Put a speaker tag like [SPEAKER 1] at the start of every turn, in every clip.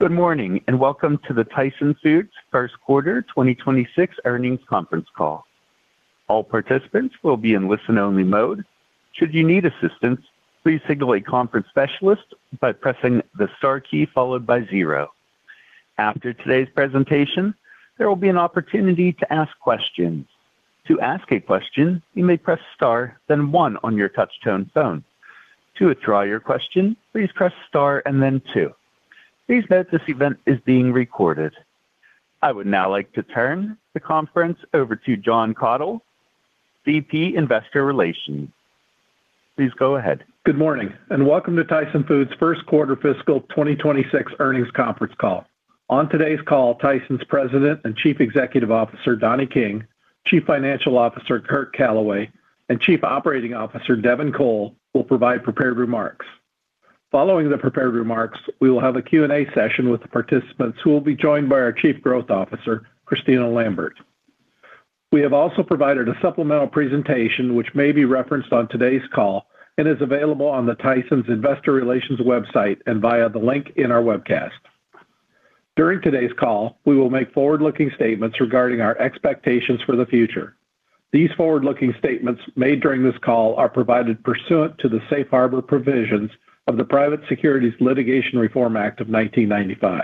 [SPEAKER 1] Good morning and welcome to the Tyson Foods first quarter 2026 earnings conference call. All participants will be in listen-only mode. Should you need assistance, please signal a conference specialist by pressing the star key followed by zero. After today's presentation, there will be an opportunity to ask questions. To ask a question, you may press star then one on your touch tone phone. To withdraw your question, please press star and then two. Please note this event is being recorded. I would now like to turn the conference over to Jon Kathol, VP Investor Relations. Please go ahead.
[SPEAKER 2] Good morning and welcome to Tyson Foods first quarter fiscal 2026 earnings conference call. On today's call, Tyson's President and Chief Executive Officer Donnie King, Chief Financial Officer Curt Calaway, and Chief Operating Officer Devin Cole will provide prepared remarks. Following the prepared remarks, we will have a Q&A session with the participants who will be joined by our Chief Growth Officer Kristina Lambert. We have also provided a supplemental presentation which may be referenced on today's call and is available on the Tyson's Investor Relations website and via the link in our webcast. During today's call, we will make forward-looking statements regarding our expectations for the future. These forward-looking statements made during this call are provided pursuant to the Safe Harbor provisions of the Private Securities Litigation Reform Act of 1995.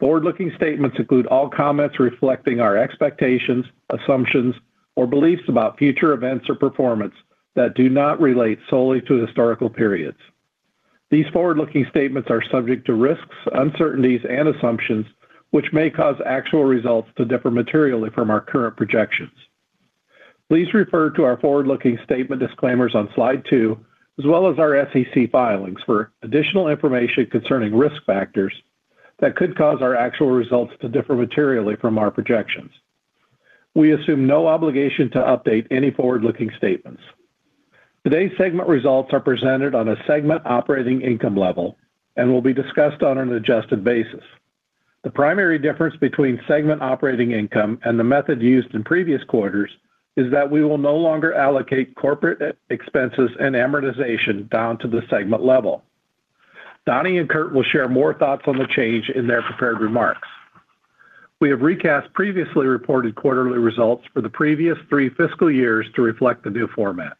[SPEAKER 2] Forward-looking statements include all comments reflecting our expectations, assumptions, or beliefs about future events or performance that do not relate solely to historical periods. These forward-looking statements are subject to risks, uncertainties, and assumptions which may cause actual results to differ materially from our current projections. Please refer to our forward-looking statement disclaimers on slide 2 as well as our SEC filings for additional information concerning risk factors that could cause our actual results to differ materially from our projections. We assume no obligation to update any forward-looking statements. Today's segment results are presented on a segment operating income level and will be discussed on an adjusted basis. The primary difference between segment operating income and the method used in previous quarters is that we will no longer allocate corporate expenses and amortization down to the segment level. Donnie and Curt will share more thoughts on the change in their prepared remarks. We have recast previously reported quarterly results for the previous three fiscal years to reflect the new format.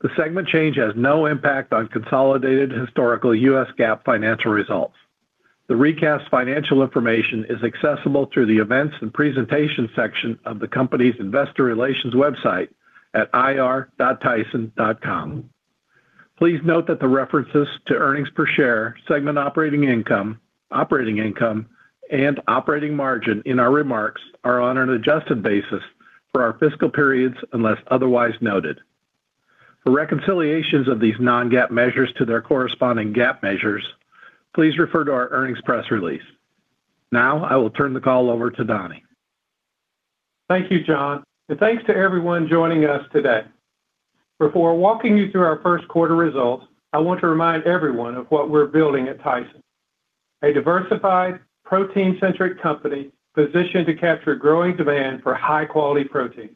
[SPEAKER 2] The segment change has no impact on consolidated historical US GAAP financial results. The recast financial information is accessible through the events and presentation section of the company's Investor Relations website at ir.tyson.com. Please note that the references to earnings per share, segment operating income, operating income, and operating margin in our remarks are on an adjusted basis for our fiscal periods unless otherwise noted. For reconciliations of these non-GAAP measures to their corresponding GAAP measures, please refer to our earnings press release. Now I will turn the call over to Donnie.
[SPEAKER 3] Thank you, John. Thanks to everyone joining us today. Before walking you through our first quarter results, I want to remind everyone of what we're building at Tyson: a diversified, protein-centric company positioned to capture growing demand for high-quality protein.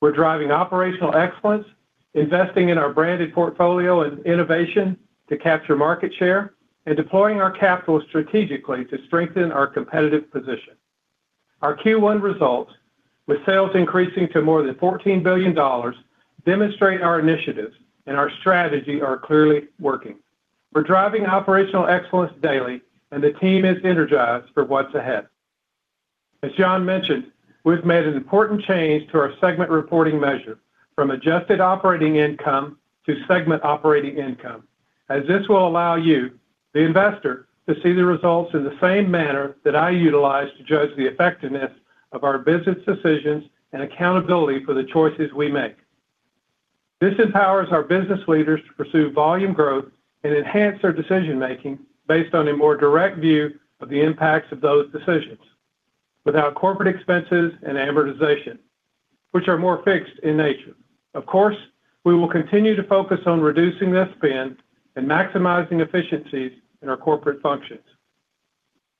[SPEAKER 3] We're driving operational excellence, investing in our branded portfolio and innovation to capture market share, and deploying our capital strategically to strengthen our competitive position. Our Q1 results, with sales increasing to more than $14 billion, demonstrate our initiatives and our strategy are clearly working. We're driving operational excellence daily, and the team is energized for what's ahead. As John mentioned, we've made an important change to our segment reporting measure from Adjusted Operating Income to Segment Operating Income, as this will allow you, the investor, to see the results in the same manner that I utilize to judge the effectiveness of our business decisions and accountability for the choices we make. This empowers our business leaders to pursue volume growth and enhance their decision-making based on a more direct view of the impacts of those decisions without corporate expenses and amortization, which are more fixed in nature. Of course, we will continue to focus on reducing that spend and maximizing efficiencies in our corporate functions.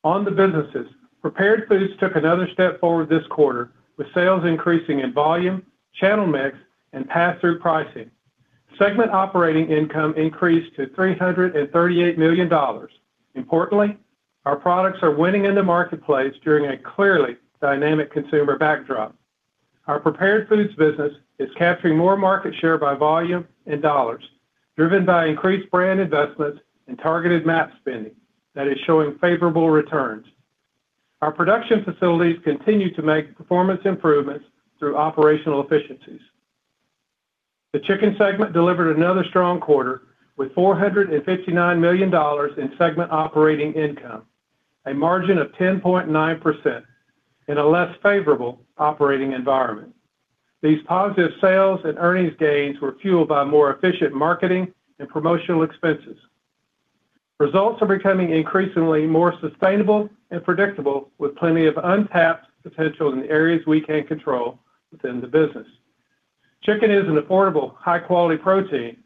[SPEAKER 3] On the businesses, Prepared Foods took another step forward this quarter with sales increasing in volume, channel mix, and pass-through pricing. Segment Operating Income increased to $338 million. Importantly, our products are winning in the marketplace during a clearly dynamic consumer backdrop. Our Prepared Foods business is capturing more market share by volume and dollars, driven by increased brand investments and targeted MAP spending that is showing favorable returns. Our production facilities continue to make performance improvements through operational efficiencies. The Chicken segment delivered another strong quarter with $459 million in Segment Operating Income, a margin of 10.9%, in a less favorable operating environment. These positive sales and earnings gains were fueled by more efficient marketing and promotional expenses. Results are becoming increasingly more sustainable and predictable with plenty of untapped potential in the areas we can control within the business. Chicken is an affordable, high-quality protein,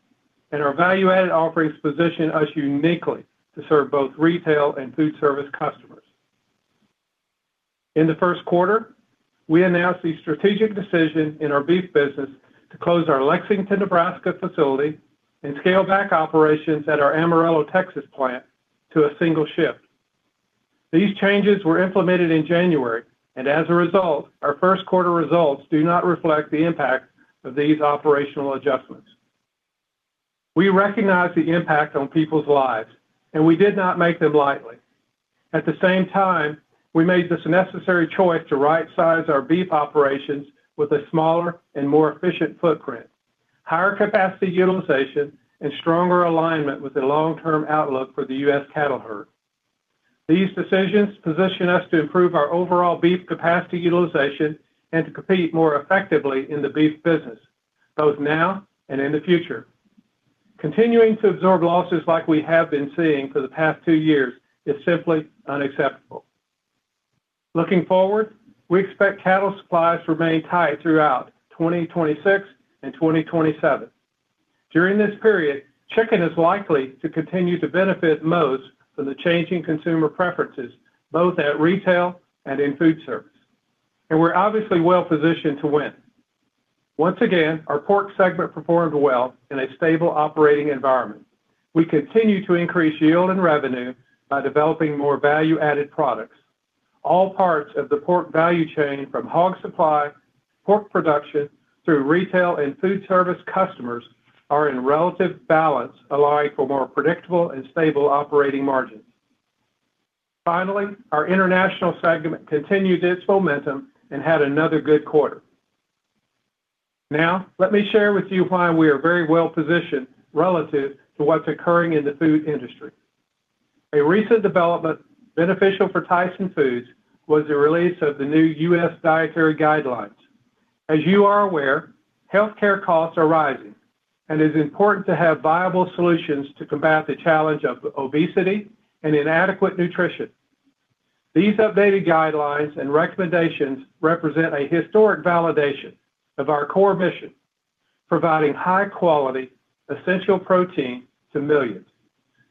[SPEAKER 3] and our value-added offerings position us uniquely to serve both retail and food service customers. In the first quarter, we announced the strategic decision in our beef business to close our Lexington, Nebraska facility and scale back operations at our Amarillo, Texas plant to a single shift. These changes were implemented in January, and as a result, our first quarter results do not reflect the impact of these operational adjustments. We recognize the impact on people's lives, and we did not make them lightly. At the same time, we made this necessary choice to right-size our beef operations with a smaller and more efficient footprint, higher capacity utilization, and stronger alignment with the long-term outlook for the U.S. cattle herd. These decisions position us to improve our overall beef capacity utilization and to compete more effectively in the beef business, both now and in the future. Continuing to absorb losses like we have been seeing for the past two years is simply unacceptable. Looking forward, we expect cattle supplies to remain tight throughout 2026 and 2027. During this period, chicken is likely to continue to benefit most from the changing consumer preferences, both at retail and in food service, and we're obviously well positioned to win. Once again, our pork segment performed well in a stable operating environment. We continue to increase yield and revenue by developing more value-added products. All parts of the pork value chain, from hog supply, pork production, through retail and food service customers, are in relative balance, allowing for more predictable and stable operating margins. Finally, our international segment continued its momentum and had another good quarter. Now let me share with you why we are very well positioned relative to what's occurring in the food industry. A recent development beneficial for Tyson Foods was the release of the new U.S. dietary guidelines. As you are aware, healthcare costs are rising, and it is important to have viable solutions to combat the challenge of obesity and inadequate nutrition. These updated guidelines and recommendations represent a historic validation of our core mission: providing high-quality, essential protein to millions.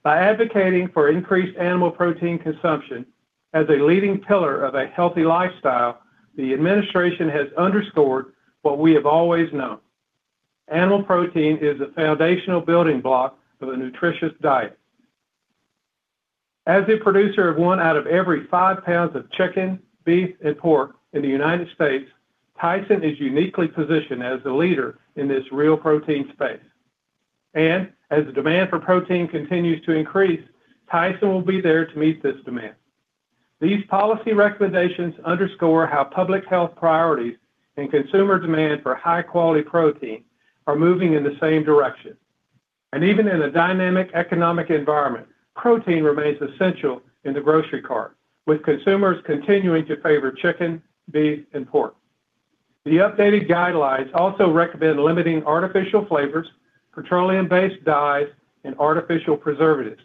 [SPEAKER 3] By advocating for increased animal protein consumption as a leading pillar of a healthy lifestyle, the administration has underscored what we have always known: animal protein is a foundational building block of a nutritious diet. As the producer of one out of every five pounds of chicken, beef, and pork in the United States, Tyson is uniquely positioned as the leader in this real protein space. As the demand for protein continues to increase, Tyson will be there to meet this demand. These policy recommendations underscore how public health priorities and consumer demand for high-quality protein are moving in the same direction. Even in a dynamic economic environment, protein remains essential in the grocery cart, with consumers continuing to favor chicken, beef, and pork. The updated guidelines also recommend limiting artificial flavors, petroleum-based dyes, and artificial preservatives.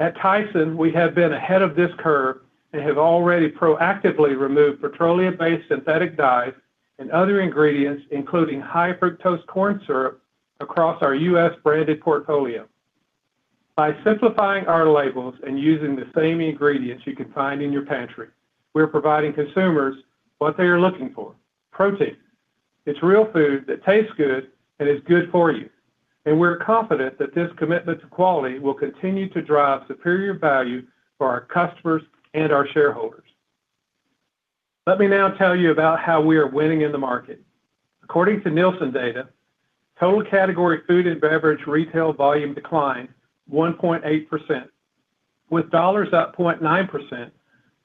[SPEAKER 3] At Tyson, we have been ahead of this curve and have already proactively removed petroleum-based synthetic dyes and other ingredients, including high-fructose corn syrup, across our U.S. branded portfolio. By simplifying our labels and using the same ingredients you can find in your pantry, we're providing consumers what they are looking for: protein. It's real food that tastes good and is good for you. We're confident that this commitment to quality will continue to drive superior value for our customers and our shareholders. Let me now tell you about how we are winning in the market. According to Nielsen data, total category food and beverage retail volume declined 1.8%, with dollars up 0.9%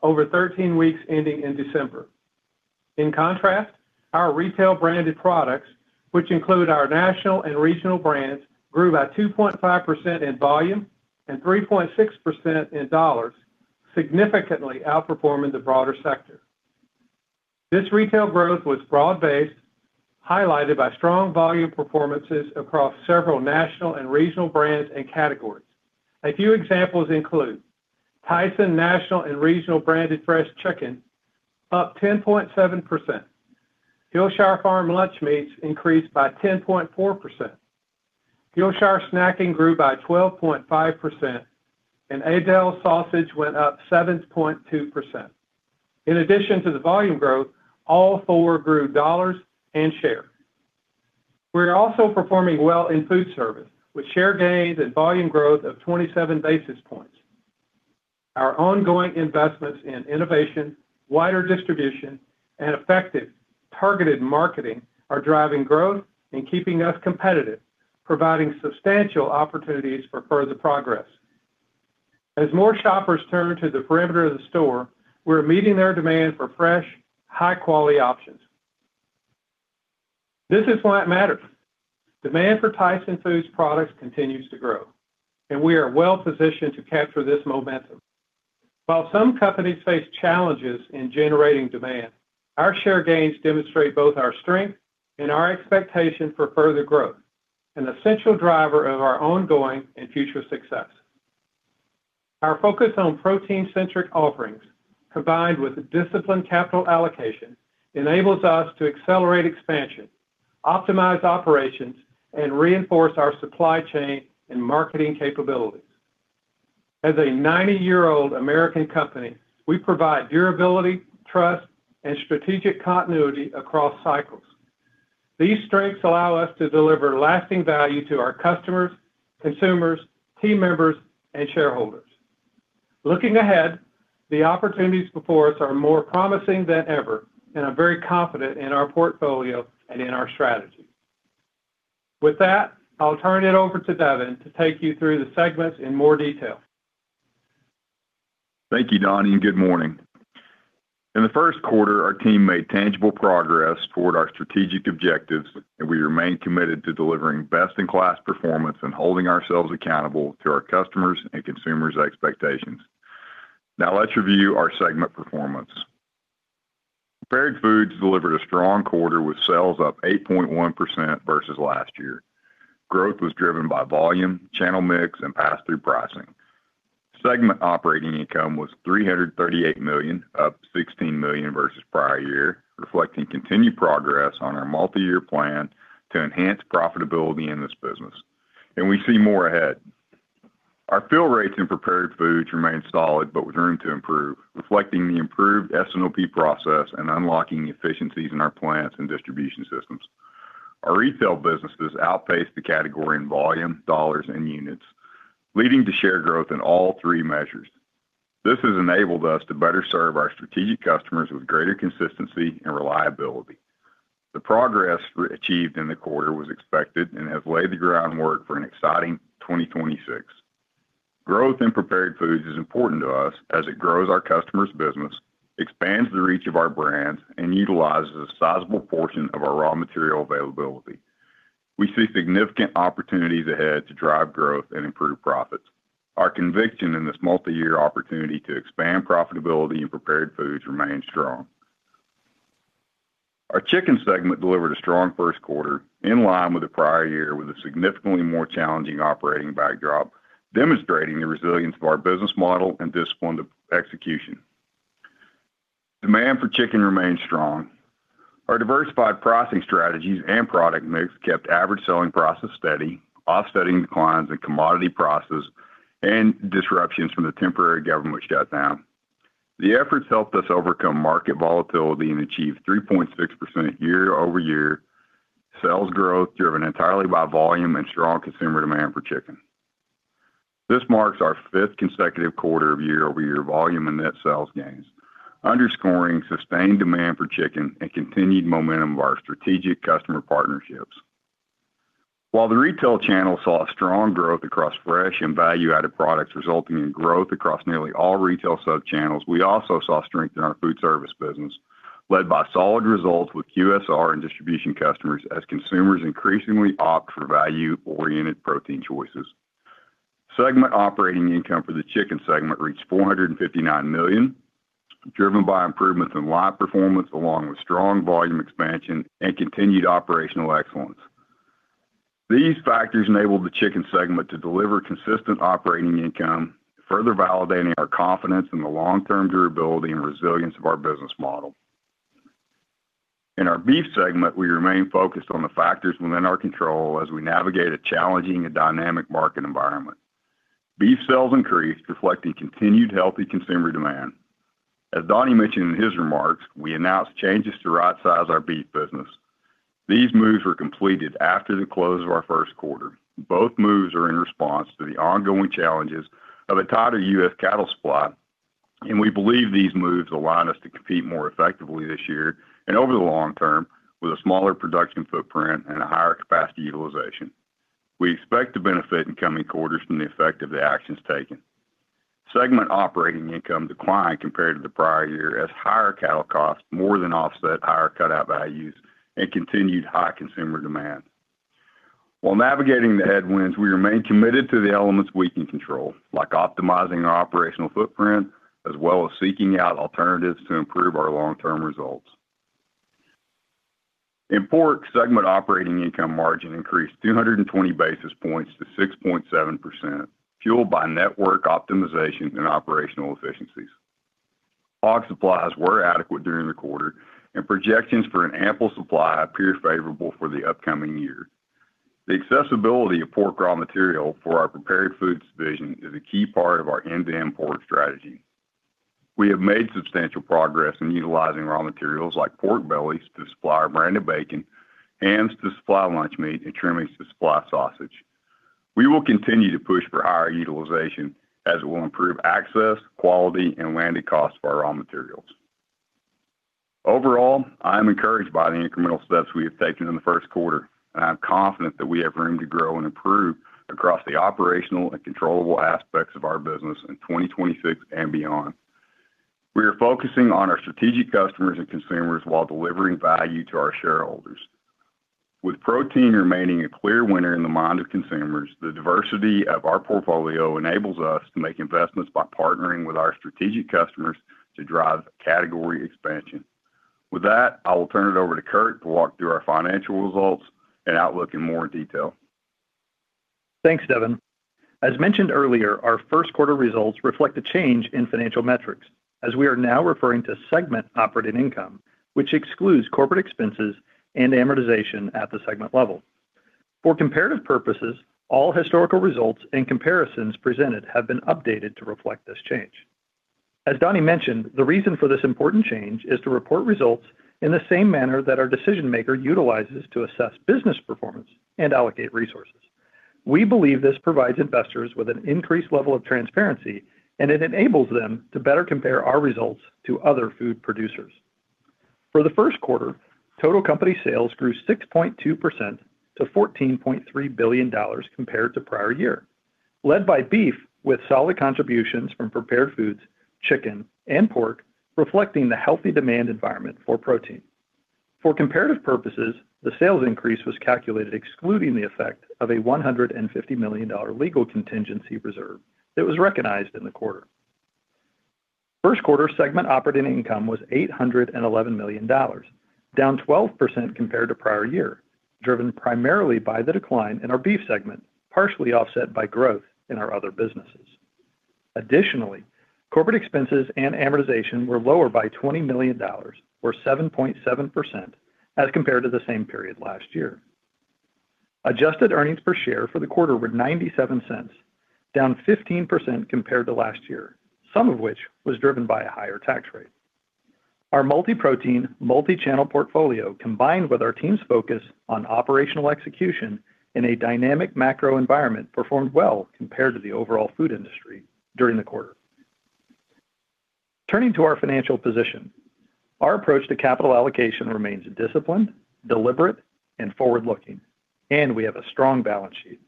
[SPEAKER 3] over 13 weeks ending in December. In contrast, our retail branded products, which include our national and regional brands, grew by 2.5% in volume and 3.6% in dollars, significantly outperforming the broader sector. This retail growth was broad-based, highlighted by strong volume performances across several national and regional brands and categories. A few examples include Tyson national and regional branded fresh chicken, up 10.7%; Hillshire Farm lunchmeats increased by 10.4%; Hillshire Snacking grew by 12.5%; and Aidells sausage went up 7.2%. In addition to the volume growth, all four grew dollars and shares. We're also performing well in food service, with share gains and volume growth of 27 basis points. Our ongoing investments in innovation, wider distribution, and effective targeted marketing are driving growth and keeping us competitive, providing substantial opportunities for further progress. As more shoppers turn to the perimeter of the store, we're meeting their demand for fresh, high-quality options. This is why it matters. Demand for Tyson Foods products continues to grow, and we are well positioned to capture this momentum. While some companies face challenges in generating demand, our share gains demonstrate both our strength and our expectation for further growth, an essential driver of our ongoing and future success. Our focus on protein-centric offerings, combined with disciplined capital allocation, enables us to accelerate expansion, optimize operations, and reinforce our supply chain and marketing capabilities. As a 90-year-old American company, we provide durability, trust, and strategic continuity across cycles. These strengths allow us to deliver lasting value to our customers, consumers, team members, and shareholders. Looking ahead, the opportunities before us are more promising than ever, and I'm very confident in our portfolio and in our strategy. With that, I'll turn it over to Devin to take you through the segments in more detail.
[SPEAKER 4] Thank you, Donnie, and good morning. In the first quarter, our team made tangible progress toward our strategic objectives, and we remain committed to delivering best-in-class performance and holding ourselves accountable to our customers' and consumers' expectations. Now let's review our segment performance. Prepared Foods delivered a strong quarter with sales up 8.1% versus last year. Growth was driven by volume, channel mix, and pass-through pricing. Segment operating income was $338 million, up $16 million versus prior year, reflecting continued progress on our multi-year plan to enhance profitability in this business. We see more ahead. Our fill rates in Prepared Foods remain solid but with room to improve, reflecting the improved S&OP process and unlocking efficiencies in our plants and distribution systems. Our retail businesses outpaced the category in volume, dollars, and units, leading to share growth in all three measures. This has enabled us to better serve our strategic customers with greater consistency and reliability. The progress achieved in the quarter was expected and has laid the groundwork for an exciting 2026. Growth in Prepared Foods is important to us as it grows our customers' business, expands the reach of our brands, and utilizes a sizable portion of our raw material availability. We see significant opportunities ahead to drive growth and improve profits. Our conviction in this multi-year opportunity to expand profitability in Prepared Foods remains strong. Our Chicken segment delivered a strong first quarter in line with the prior year, with a significantly more challenging operating backdrop demonstrating the resilience of our business model and disciplined execution. Demand for chicken remained strong. Our diversified pricing strategies and product mix kept average selling price steady, offsetting declines in commodity prices and disruptions from the temporary government shutdown. The efforts helped us overcome market volatility and achieve 3.6% year-over-year sales growth driven entirely by volume and strong consumer demand for chicken. This marks our fifth consecutive quarter of year-over-year volume and net sales gains, underscoring sustained demand for chicken and continued momentum of our strategic customer partnerships. While the retail channel saw strong growth across fresh and value-added products, resulting in growth across nearly all retail subchannels, we also saw strength in our food service business, led by solid results with QSR and distribution customers as consumers increasingly opt for value-oriented protein choices. Segment operating income for the chicken segment reached $459 million, driven by improvements in live performance along with strong volume expansion and continued operational excellence. These factors enabled the chicken segment to deliver consistent operating income, further validating our confidence in the long-term durability and resilience of our business model. In our Beef segment, we remain focused on the factors within our control as we navigate a challenging and dynamic market environment. Beef sales increased, reflecting continued healthy consumer demand. As Donnie mentioned in his remarks, we announced changes to right-size our beef business. These moves were completed after the close of our first quarter. Both moves are in response to the ongoing challenges of a tighter US cattle supply, and we believe these moves align us to compete more effectively this year and over the long term with a smaller production footprint and a higher capacity utilization. We expect to benefit in coming quarters from the effect of the actions taken. Segment Operating Income declined compared to the prior year as higher cattle costs more than offset higher cutout values and continued high consumer demand. While navigating the headwinds, we remain committed to the elements we can control, like optimizing our operational footprint as well as seeking out alternatives to improve our long-term results. In pork, segment operating income margin increased 220 basis points to 6.7%, fueled by network optimization and operational efficiencies. Hog supplies were adequate during the quarter, and projections for an ample supply appear favorable for the upcoming year. The accessibility of pork raw material for our Prepared Foods division is a key part of our end-to-end pork strategy. We have made substantial progress in utilizing raw materials like pork bellies to supply our branded bacon, hams to supply lunchmeat, and trimmings to supply sausage. We will continue to push for higher utilization as it will improve access, quality, and landing costs for our raw materials. Overall, I am encouraged by the incremental steps we have taken in the first quarter, and I'm confident that we have room to grow and improve across the operational and controllable aspects of our business in 2026 and beyond. We are focusing on our strategic customers and consumers while delivering value to our shareholders. With protein remaining a clear winner in the mind of consumers, the diversity of our portfolio enables us to make investments by partnering with our strategic customers to drive category expansion. With that, I will turn it over to Curt to walk through our financial results and outlook in more detail.
[SPEAKER 5] Thanks, Devin. As mentioned earlier, our first quarter results reflect a change in financial metrics, as we are now referring to segment operating income, which excludes corporate expenses and amortization at the segment level. For comparative purposes, all historical results and comparisons presented have been updated to reflect this change. As Donnie mentioned, the reason for this important change is to report results in the same manner that our decision-maker utilizes to assess business performance and allocate resources. We believe this provides investors with an increased level of transparency, and it enables them to better compare our results to other food producers. For the first quarter, total company sales grew 6.2% to $14.3 billion compared to prior year, led by Beef with solid contributions from Prepared Foods, Chicken, and Pork, reflecting the healthy demand environment for protein. For comparative purposes, the sales increase was calculated excluding the effect of a $150 million legal contingency reserve that was recognized in the quarter. First quarter segment operating income was $811 million, down 12% compared to prior year, driven primarily by the decline in our beef segment, partially offset by growth in our other businesses. Additionally, corporate expenses and amortization were lower by $20 million, or 7.7%, as compared to the same period last year. Adjusted earnings per share for the quarter were $0.97, down 15% compared to last year, some of which was driven by a higher tax rate. Our multi-protein, multi-channel portfolio, combined with our team's focus on operational execution in a dynamic macro environment, performed well compared to the overall food industry during the quarter. Turning to our financial position, our approach to capital allocation remains disciplined, deliberate, and forward-looking, and we have a strong balance sheet.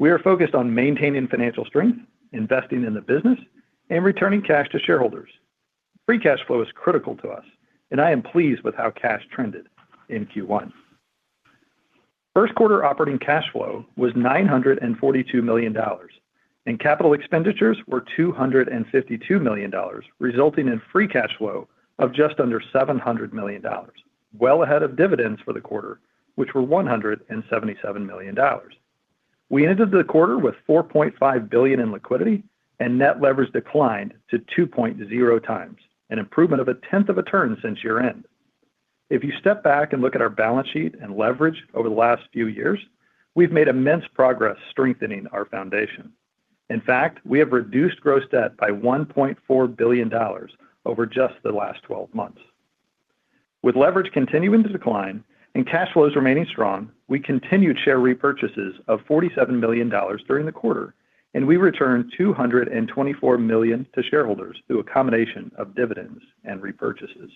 [SPEAKER 5] We are focused on maintaining financial strength, investing in the business, and returning cash to shareholders. Free cash flow is critical to us, and I am pleased with how cash trended in Q1. First quarter operating cash flow was $942 million, and capital expenditures were $252 million, resulting in free cash flow of just under $700 million, well ahead of dividends for the quarter, which were $177 million. We ended the quarter with $4.5 billion in liquidity, and net leverage declined to 2.0 times, an improvement of a tenth of a turn since year-end. If you step back and look at our balance sheet and leverage over the last few years, we've made immense progress strengthening our foundation. In fact, we have reduced gross debt by $1.4 billion over just the last 12 months. With leverage continuing to decline and cash flows remaining strong, we continued share repurchases of $47 million during the quarter, and we returned $224 million to shareholders through accommodation of dividends and repurchases.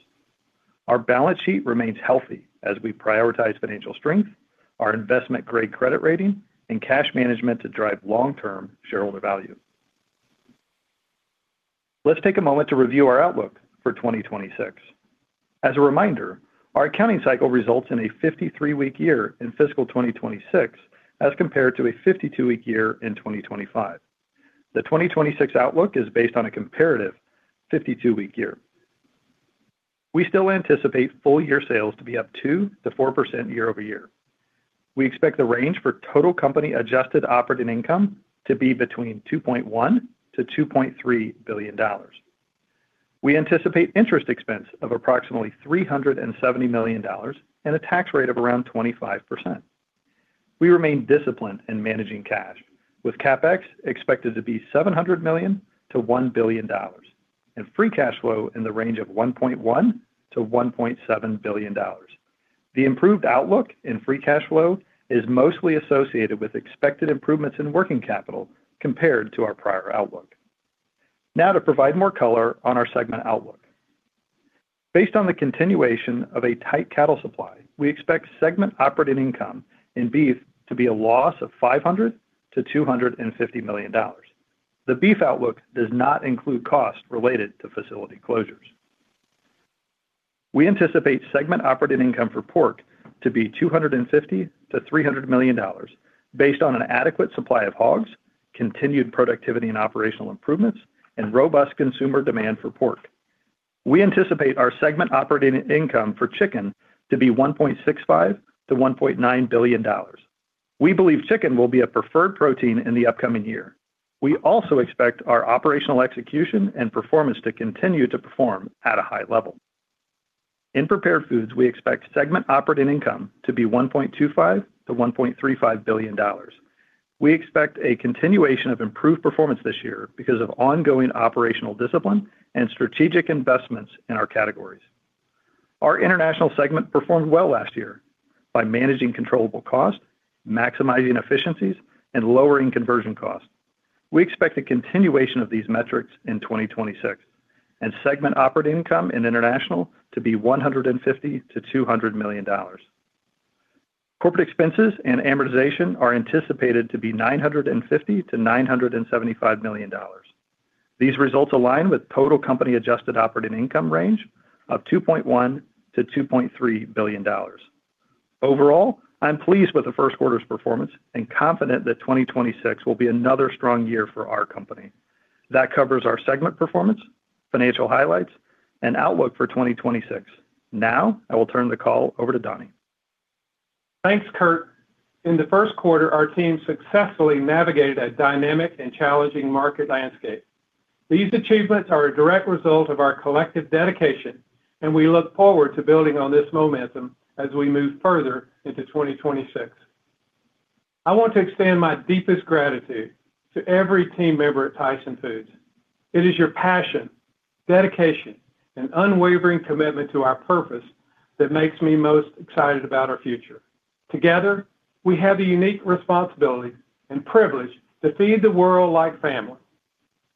[SPEAKER 5] Our balance sheet remains healthy as we prioritize financial strength, our investment-grade credit rating, and cash management to drive long-term shareholder value. Let's take a moment to review our outlook for 2026. As a reminder, our accounting cycle results in a 53-week year in fiscal 2026 as compared to a 52-week year in 2025. The 2026 outlook is based on a comparative 52-week year. We still anticipate full-year sales to be up 2%-4% year-over-year. We expect the range for total company Adjusted Operating Income to be between $2.1-$2.3 billion. We anticipate interest expense of approximately $370 million and a tax rate of around 25%. We remain disciplined in managing cash, with CapEx expected to be $700 million to $1 billion, and free cash flow in the range of $1.1-$1.7 billion. The improved outlook in free cash flow is mostly associated with expected improvements in working capital compared to our prior outlook. Now, to provide more color on our segment outlook. Based on the continuation of a tight cattle supply, we expect Segment Operating Income in Beef to be a loss of $500 million-$250 million. The Beef outlook does not include costs related to facility closures. We anticipate Segment Operating Income for Pork to be $250 million-$300 million based on an adequate supply of hogs, continued productivity and operational improvements, and robust consumer demand for pork. We anticipate our Segment Operating Income for Chicken to be $1.65 million to $1.9 billion. We believe chicken will be a preferred protein in the upcoming year. We also expect our operational execution and performance to continue to perform at a high level. In Prepared Foods, we expect Segment Operating Income to be $1.25 million-$1.35 billion. We expect a continuation of improved performance this year because of ongoing operational discipline and strategic investments in our categories. Our International segment performed well last year by managing controllable costs, maximizing efficiencies, and lowering conversion costs. We expect a continuation of these metrics in 2026, and Segment Operating Income in International to be $150 million-$200 million. Corporate expenses and amortization are anticipated to be $950 million-$975 million. These results align with total company Adjusted Operating Income range of $2.1 million to $2.3 billion. Overall, I'm pleased with the first quarter's performance and confident that 2026 will be another strong year for our company. That covers our segment performance, financial highlights, and outlook for 2026. Now, I will turn the call over to Donnie.
[SPEAKER 3] Thanks, Curt. In the first quarter, our team successfully navigated a dynamic and challenging market landscape. These achievements are a direct result of our collective dedication, and we look forward to building on this momentum as we move further into 2026. I want to extend my deepest gratitude to every team member at Tyson Foods. It is your passion, dedication, and unwavering commitment to our purpose that makes me most excited about our future. Together, we have the unique responsibility and privilege to feed the world like family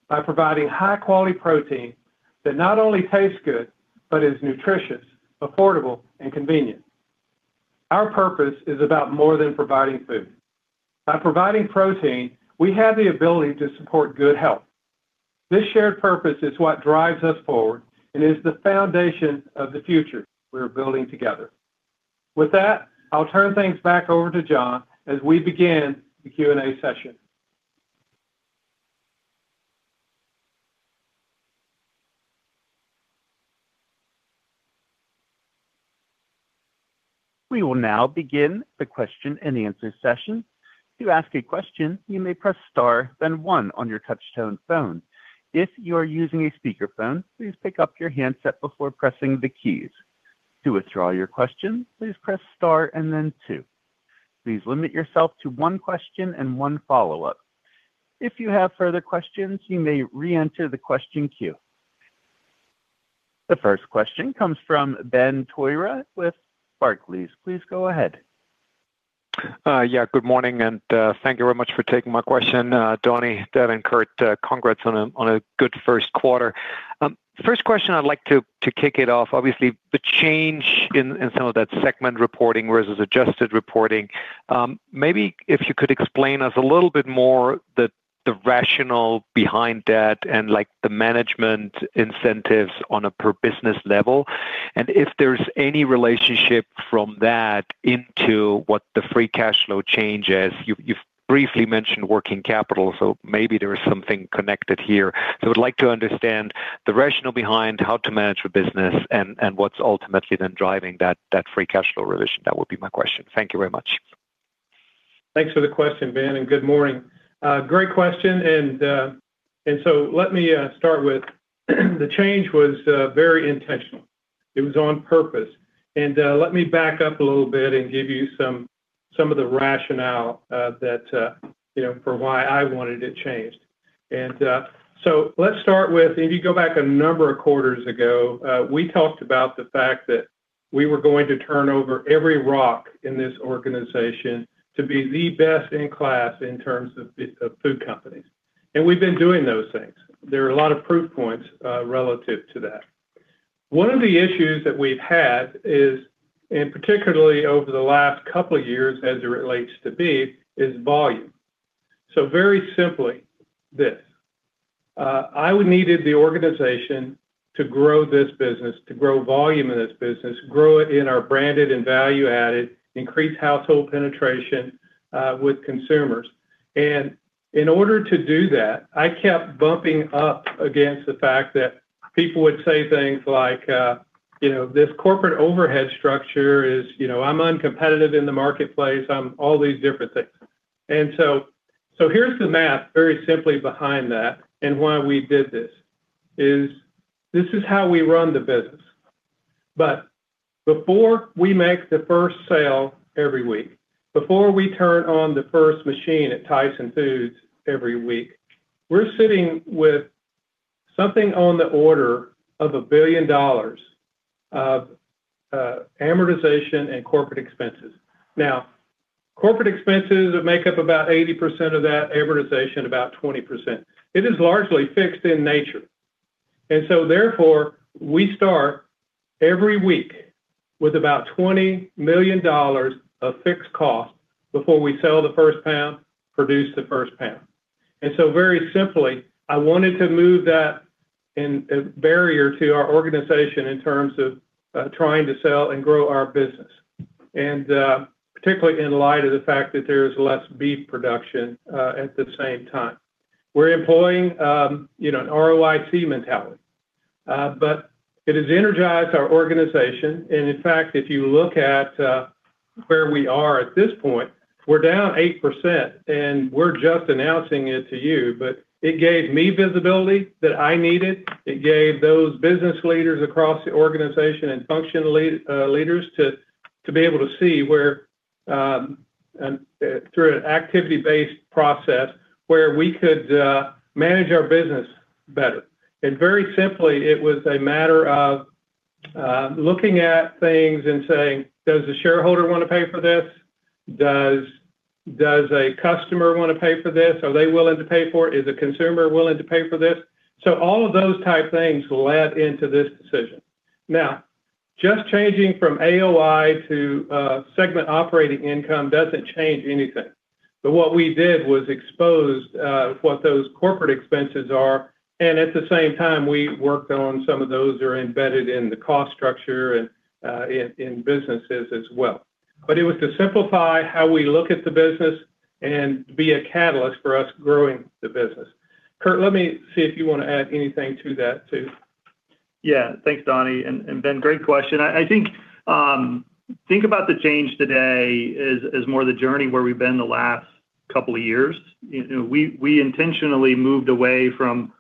[SPEAKER 3] by providing high-quality protein that not only tastes good but is nutritious, affordable, and convenient. Our purpose is about more than providing food. By providing protein, we have the ability to support good health. This shared purpose is what drives us forward and is the foundation of the future we're building together. With that, I'll turn things back over to John as we begin the Q&A session.
[SPEAKER 1] We will now begin the question and answer session. To ask a question, you may press star, then one on your touch-tone phone. If you are using a speakerphone, please pick up your handset before pressing the keys. To withdraw your question, please press star and then two. Please limit yourself to one question and one follow-up. If you have further questions, you may reenter the question queue. The first question comes from Ben Theurer with Barclays. Please go ahead.
[SPEAKER 6] Yeah, good morning, and thank you very much for taking my question. Donnie, Devin, Curt, congrats on a good first quarter. First question, I'd like to kick it off. Obviously, the change in some of that segment reporting versus adjusted reporting, maybe if you could explain us a little bit more the rationale behind that and the management incentives on a per-business level, and if there's any relationship from that into what the free cash flow change is. You've briefly mentioned working capital, so maybe there is something connected here. So I would like to understand the rationale behind how to manage the business and what's ultimately then driving that free cash flow revision. That would be my question. Thank you very much.
[SPEAKER 3] Thanks for the question, Ben, and good morning. Great question. And so let me start with the change was very intentional. It was on purpose. And let me back up a little bit and give you some of the rationale for why I wanted it changed. And so let's start with if you go back a number of quarters ago, we talked about the fact that we were going to turn over every rock in this organization to be the best in class in terms of food companies. And we've been doing those things. There are a lot of proof points relative to that. One of the issues that we've had, and particularly over the last couple of years as it relates to beef, is volume. So very simply, this. I needed the organization to grow this business, to grow volume in this business, grow it in our branded and value-added, increase household penetration with consumers. And in order to do that, I kept bumping up against the fact that people would say things like, "This corporate overhead structure is I'm uncompetitive in the marketplace. I'm all these different things." And so here's the math very simply behind that and why we did this is this is how we run the business. But before we make the first sale every week, before we turn on the first machine at Tyson Foods every week, we're sitting with something on the order of $1 billion of amortization and corporate expenses. Now, corporate expenses make up about 80% of that, amortization about 20%. It is largely fixed in nature. So therefore, we start every week with about $20 million of fixed costs before we sell the first pound, produce the first pound. Very simply, I wanted to move that barrier to our organization in terms of trying to sell and grow our business, and particularly in light of the fact that there is less beef production at the same time. We're employing an ROIC mentality, but it has energized our organization. In fact, if you look at where we are at this point, we're down 8%, and we're just announcing it to you. It gave me visibility that I needed. It gave those business leaders across the organization and function leaders to be able to see through an activity-based process where we could manage our business better. Very simply, it was a matter of looking at things and saying, "Does the shareholder want to pay for this? Does a customer want to pay for this? Are they willing to pay for it? Is a consumer willing to pay for this?" All of those type things led into this decision. Now, just changing from AOI to Segment Operating Income doesn't change anything. What we did was expose what those corporate expenses are, and at the same time, we worked on some of those that are embedded in the cost structure and in businesses as well. It was to simplify how we look at the business and be a catalyst for us growing the business. Curt, let me see if you want to add anything to that too.
[SPEAKER 5] Yeah, thanks, Donnie. And Ben, great question. I think about the change today as more the journey where we've been the last couple of years. We intentionally moved away from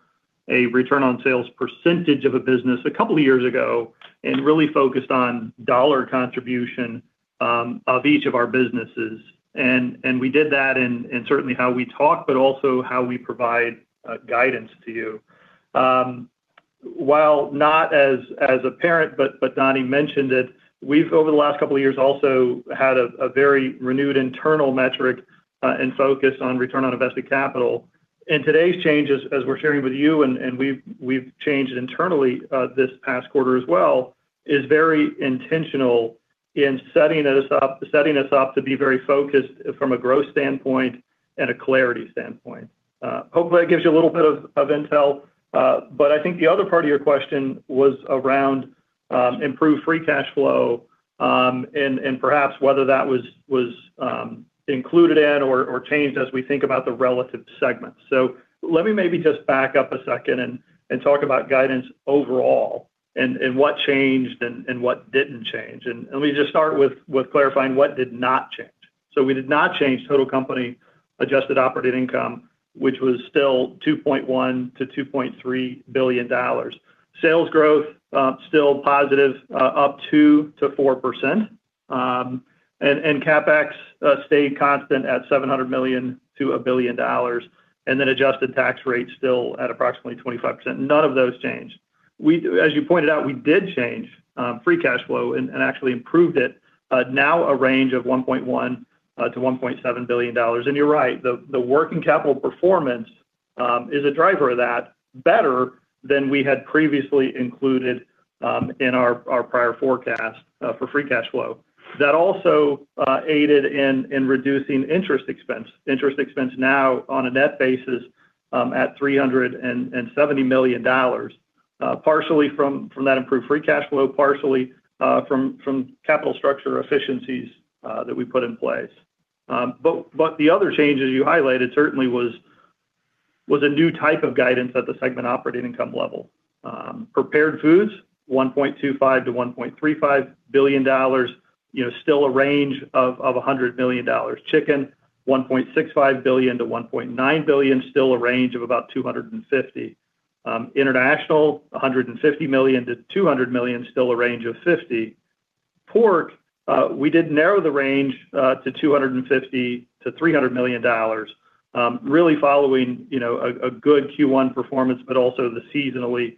[SPEAKER 5] a return on sales percentage of a business a couple of years ago and really focused on dollar contribution of each of our businesses. We did that in certainly how we talk, but also how we provide guidance to you. While not as apparent, but Donnie mentioned it, we've over the last couple of years also had a very renewed internal metric and focus on return on invested capital. Today's change, as we're sharing with you, and we've changed internally this past quarter as well, is very intentional in setting us up to be very focused from a growth standpoint and a clarity standpoint. Hopefully, that gives you a little bit of intel. But I think the other part of your question was around improved free cash flow and perhaps whether that was included in or changed as we think about the relative segments. So let me maybe just back up a second and talk about guidance overall and what changed and what didn't change. And let me just start with clarifying what did not change. So we did not change total company adjusted operating income, which was still $2.1 billion-$2.3 billion. Sales growth still positive, up 2%-4%. And CapEx stayed constant at $700 million-$1 billion, and then adjusted tax rate still at approximately 25%. None of those changed. As you pointed out, we did change free cash flow and actually improved it, now a range of $1.1 billion-$1.7 billion. You're right, the working capital performance is a driver of that better than we had previously included in our prior forecast for free cash flow. That also aided in reducing interest expense. Interest expense now on a net basis at $370 million, partially from that improved free cash flow, partially from capital structure efficiencies that we put in place. The other change that you highlighted certainly was a new type of guidance at the segment operating income level. Prepared Foods, $1.25 billion-$1.35 billion, still a range of $100 million. Chicken, $1.65 billion-$1.9 billion, still a range of about $250 million. International, $150 million-$200 million, still a range of $50 million. Pork, we did narrow the range to $250 million-$300 million, really following a good Q1 performance, but also the seasonality,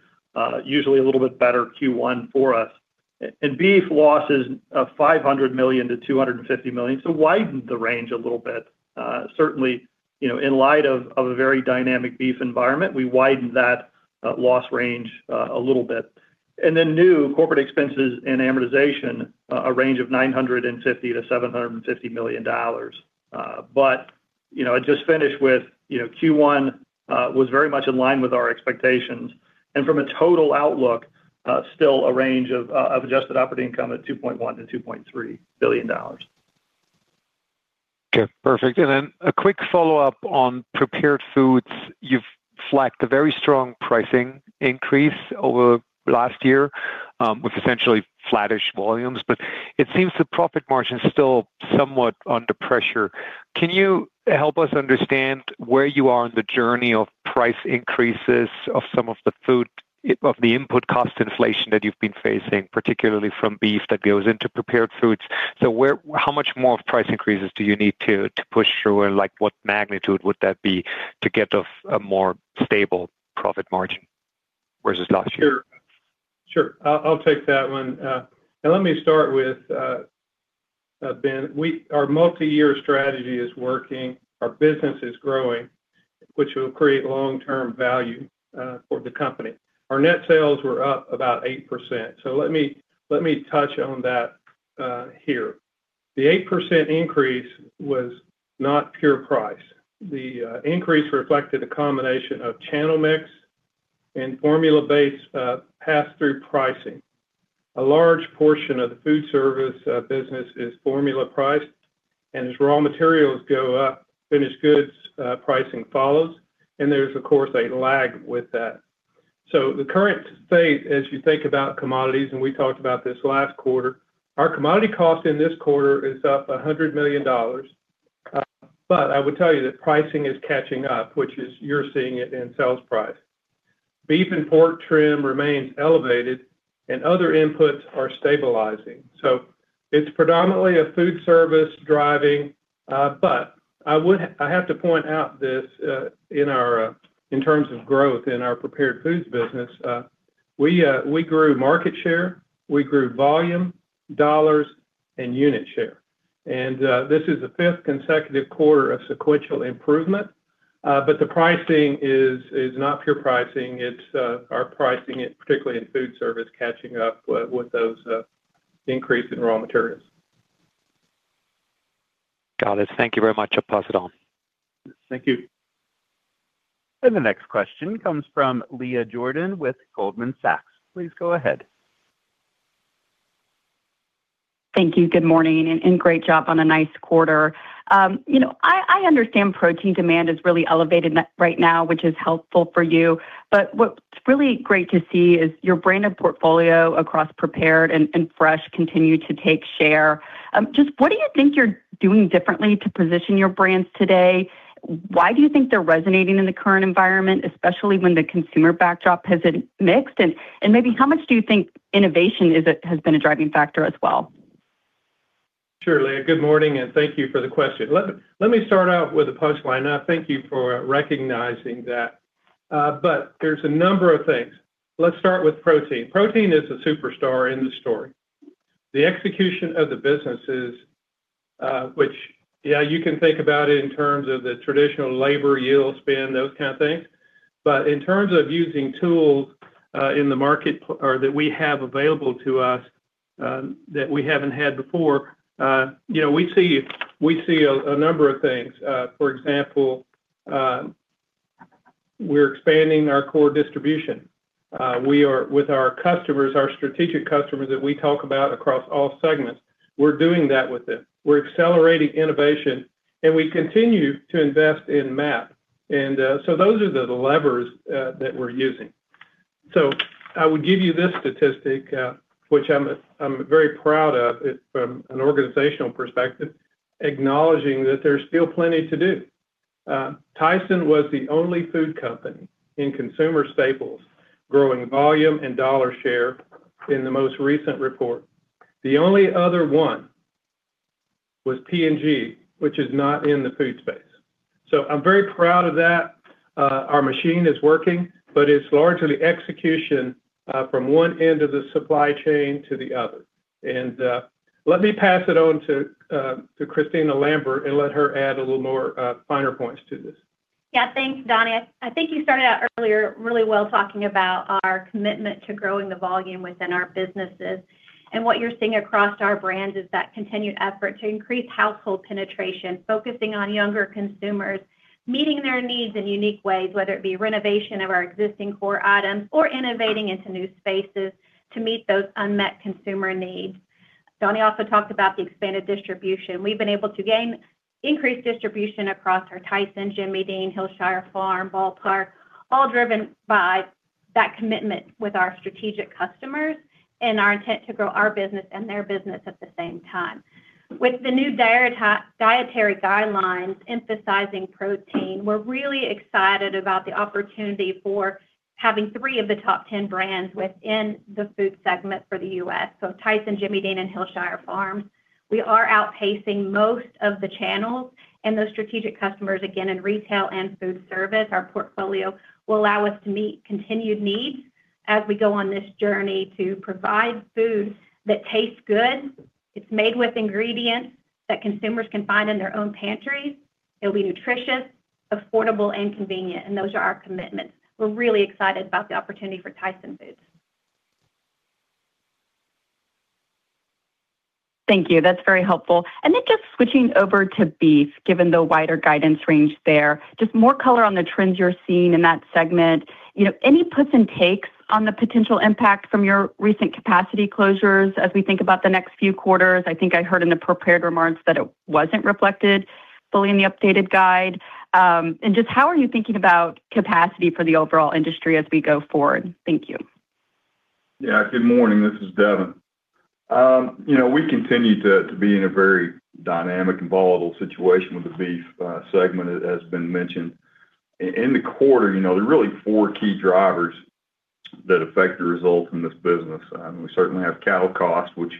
[SPEAKER 5] usually a little bit better Q1 for us. Beef losses, $500 million-$250 million, so widened the range a little bit. Certainly, in light of a very dynamic beef environment, we widened that loss range a little bit. Then new corporate expenses and amortization, a range of $950 million-$750 million. But I'd just finish with Q1 was very much in line with our expectations. From a total outlook, still a range of adjusted operating income at $2.1 million to $2.3 billion.
[SPEAKER 6] Okay, perfect. Then a quick follow-up on Prepared Foods. You've flagged a very strong pricing increase over last year with essentially flattish volumes, but it seems the profit margin is still somewhat under pressure. Can you help us understand where you are in the journey of price increases of some of the input cost inflation that you've been facing, particularly from beef that goes into Prepared Foods? How much more of price increases do you need to push through, and what magnitude would that be to get a more stable profit margin versus last year?
[SPEAKER 3] Sure. Sure. I'll take that one. Let me start with, Ben. Our multi-year strategy is working. Our business is growing, which will create long-term value for the company. Our net sales were up about 8%. Let me touch on that here. The 8% increase was not pure price. The increase reflected a combination of channel mix and formula-based pass-through pricing. A large portion of the food service business is formula-priced, and as raw materials go up, finished goods pricing follows. There's, of course, a lag with that. The current state, as you think about commodities, and we talked about this last quarter, our commodity cost in this quarter is up $100 million. But I would tell you that pricing is catching up, which is you're seeing it in sales price. Beef and pork trim remains elevated, and other inputs are stabilizing. It's predominantly a food service driving. But I have to point out this in terms of growth in our Prepared Foods business. We grew market share. We grew volume, dollars, and unit share. And this is the fifth consecutive quarter of sequential improvement. But the pricing is not pure pricing. It's our pricing, particularly in food service, catching up with those increase in raw materials.
[SPEAKER 6] Got it. Thank you very much. I'll pass it on.
[SPEAKER 3] Thank you.
[SPEAKER 1] The next question comes from Leah Jordan with Goldman Sachs. Please go ahead.
[SPEAKER 7] Thank you. Good morning and great job on a nice quarter. I understand protein demand is really elevated right now, which is helpful for you. But what's really great to see is your branded portfolio across Prepared and Fresh continue to take share. Just what do you think you're doing differently to position your brands today? Why do you think they're resonating in the current environment, especially when the consumer backdrop hasn't mixed? And maybe how much do you think innovation has been a driving factor as well?
[SPEAKER 3] Sure, Leah. Good morning, and thank you for the question. Let me start out with a punchline. Thank you for recognizing that. But there's a number of things. Let's start with protein. Protein is a superstar in the story. The execution of the businesses, which, yeah, you can think about it in terms of the traditional labor, yield, spend, those kind of things. But in terms of using tools in the market that we have available to us that we haven't had before, we see a number of things. For example, we're expanding our core distribution. With our customers, our strategic customers that we talk about across all segments, we're doing that with them. We're accelerating innovation, and we continue to invest in MAP. And so those are the levers that we're using. So I would give you this statistic, which I'm very proud of from an organizational perspective, acknowledging that there's still plenty to do. Tyson was the only food company in consumer staples growing volume and dollar share in the most recent report. The only other one was P&G, which is not in the food space. So I'm very proud of that. Our machine is working, but it's largely execution from one end of the supply chain to the other. And let me pass it on to Kristina Lambert and let her add a little more finer points to this.
[SPEAKER 8] Yeah, thanks, Donnie. I think you started out earlier really well talking about our commitment to growing the volume within our businesses. And what you're seeing across our brands is that continued effort to increase household penetration, focusing on younger consumers, meeting their needs in unique ways, whether it be renovation of our existing core items or innovating into new spaces to meet those unmet consumer needs. Donnie also talked about the expanded distribution. We've been able to increase distribution across our Tyson, Jimmy Dean, Hillshire Farm, Ball Park, all driven by that commitment with our strategic customers and our intent to grow our business and their business at the same time. With the new dietary guidelines emphasizing protein, we're really excited about the opportunity for having three of the top 10 brands within the food segment for the US. So Tyson, Jimmy Dean, and Hillshire Farm. We are outpacing most of the channels and those strategic customers, again, in retail and food service. Our portfolio will allow us to meet continued needs as we go on this journey to provide food that tastes good. It's made with ingredients that consumers can find in their own pantries. It'll be nutritious, affordable, and convenient. And those are our commitments. We're really excited about the opportunity for Tyson Foods.
[SPEAKER 7] Thank you. That's very helpful. Just switching over to beef, given the wider guidance range there, just more color on the trends you're seeing in that segment. Any puts and takes on the potential impact from your recent capacity closures as we think about the next few quarters? I think I heard in the prepared remarks that it wasn't reflected fully in the updated guide. Just how are you thinking about capacity for the overall industry as we go forward? Thank you.
[SPEAKER 4] Yeah, good morning. This is Devin. We continue to be in a very dynamic and volatile situation with the beef segment, as has been mentioned. In the quarter, there are really four key drivers that affect the results in this business. We certainly have cattle cost, which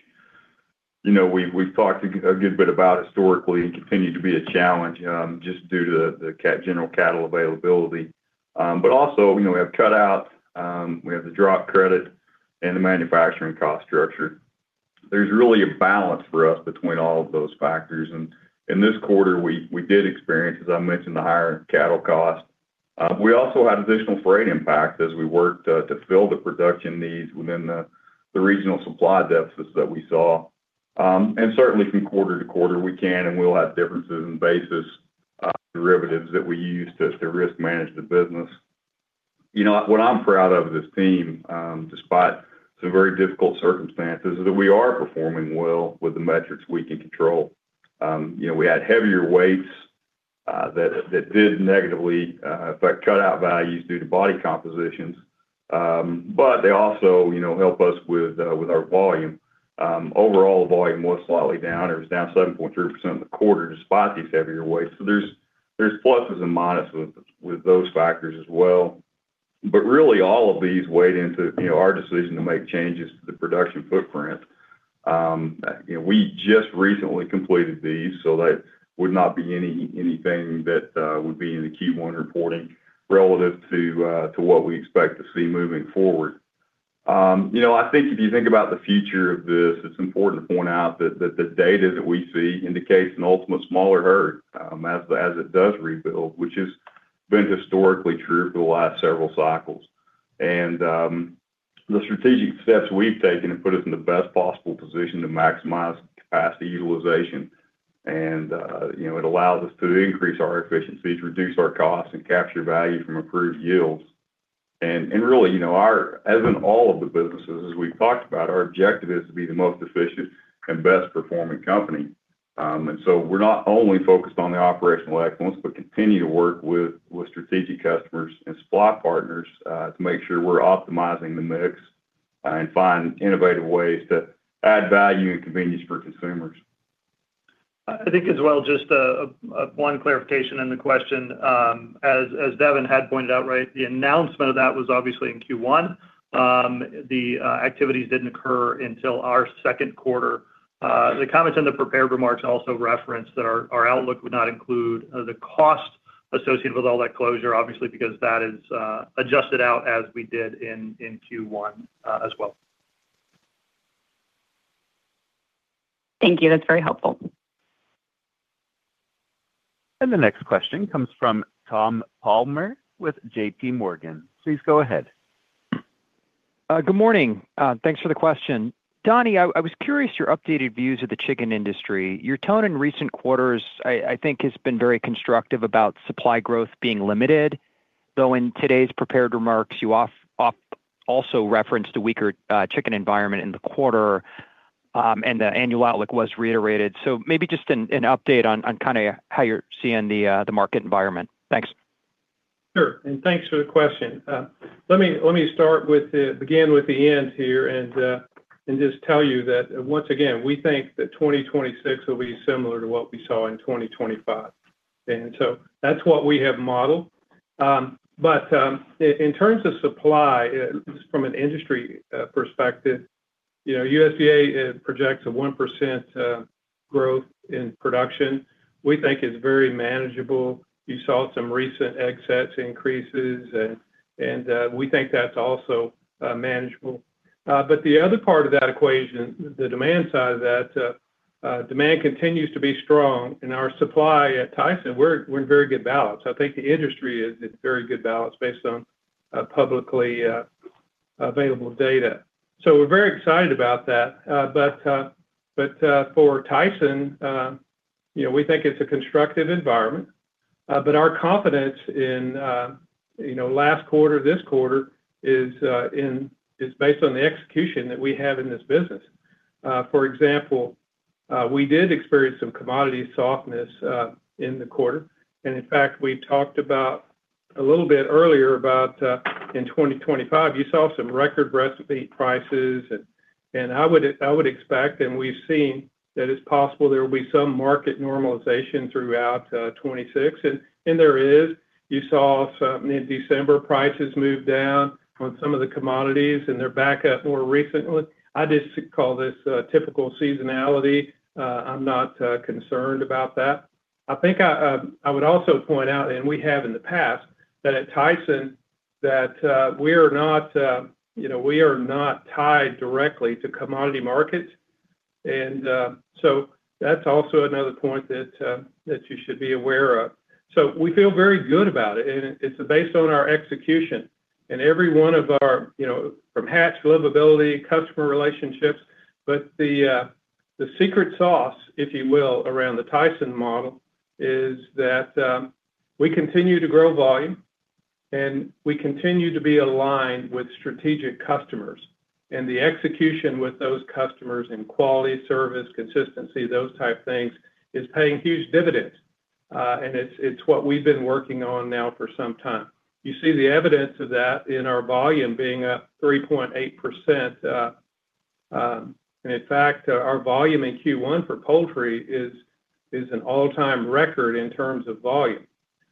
[SPEAKER 4] we've talked a good bit about historically and continued to be a challenge just due to the general cattle availability. But also, we have cutout. We have the drop credit and the manufacturing cost structure. There's really a balance for us between all of those factors. And in this quarter, we did experience, as I mentioned, the higher cattle cost. We also had additional freight impacts as we worked to fill the production needs within the regional supply deficits that we saw. Certainly, from quarter to quarter, we can and will have differences in basis derivatives that we use to risk manage the business. What I'm proud of as a team, despite some very difficult circumstances, is that we are performing well with the metrics we can control. We had heavier weights that did negatively affect cutout values due to body compositions, but they also help us with our volume. Overall, the volume was slightly down. It was down 7.3% in the quarter despite these heavier weights. There's pluses and minuses with those factors as well. Really, all of these weighed into our decision to make changes to the production footprint. We just recently completed these, so that would not be anything that would be in the Q1 reporting relative to what we expect to see moving forward. I think if you think about the future of this, it's important to point out that the data that we see indicates an ultimate smaller herd as it does rebuild, which has been historically true for the last several cycles. The strategic steps we've taken to put us in the best possible position to maximize capacity utilization, and it allows us to increase our efficiencies, reduce our costs, and capture value from improved yields. Really, as in all of the businesses, as we've talked about, our objective is to be the most efficient and best-performing company. So we're not only focused on the operational excellence but continue to work with strategic customers and supply partners to make sure we're optimizing the mix and find innovative ways to add value and convenience for consumers.
[SPEAKER 5] I think as well, just one clarification in the question. As Devin had pointed out right, the announcement of that was obviously in Q1. The activities didn't occur until our second quarter. The comments in the prepared remarks also reference that our outlook would not include the cost associated with all that closure, obviously, because that is adjusted out as we did in Q1 as well.
[SPEAKER 7] Thank you. That's very helpful.
[SPEAKER 1] The next question comes from Tom Palmer with J.P. Morgan. Please go ahead.
[SPEAKER 9] Good morning. Thanks for the question. Donnie, I was curious about your updated views of the chicken industry. Your tone in recent quarters, I think, has been very constructive about supply growth being limited. Though in today's prepared remarks, you also referenced a weaker chicken environment in the quarter, and the annual outlook was reiterated. So maybe just an update on kind of how you're seeing the market environment. Thanks.
[SPEAKER 3] Sure. And thanks for the question. Let me start with the end here and just tell you that, once again, we think that 2026 will be similar to what we saw in 2025. And so that's what we have modeled. But in terms of supply, just from an industry perspective, USDA projects a 1% growth in production. We think it's very manageable. You saw some recent excess increases, and we think that's also manageable. But the other part of that equation, the demand side of that, demand continues to be strong. And our supply at Tyson, we're in very good balance. I think the industry is in very good balance based on publicly available data. So we're very excited about that. But for Tyson, we think it's a constructive environment. But our confidence in last quarter, this quarter, is based on the execution that we have in this business. For example, we did experience some commodity softness in the quarter. In fact, we talked about a little bit earlier about in 2025, you saw some record recipe prices. I would expect, and we've seen, that it's possible there will be some market normalization throughout 2026. There is. You saw in December, prices moved down on some of the commodities, and they're back up more recently. I just call this typical seasonality. I'm not concerned about that. I think I would also point out, and we have in the past, that at Tyson, we are not tied directly to commodity markets. So that's also another point that you should be aware of. We feel very good about it. It's based on our execution and every one of our from hatch, livability, customer relationships. But the secret sauce, if you will, around the Tyson model is that we continue to grow volume, and we continue to be aligned with strategic customers. The execution with those customers in quality, service, consistency, those type things is paying huge dividends. It's what we've been working on now for some time. You see the evidence of that in our volume being up 3.8%. In fact, our volume in Q1 for poultry is an all-time record in terms of volume.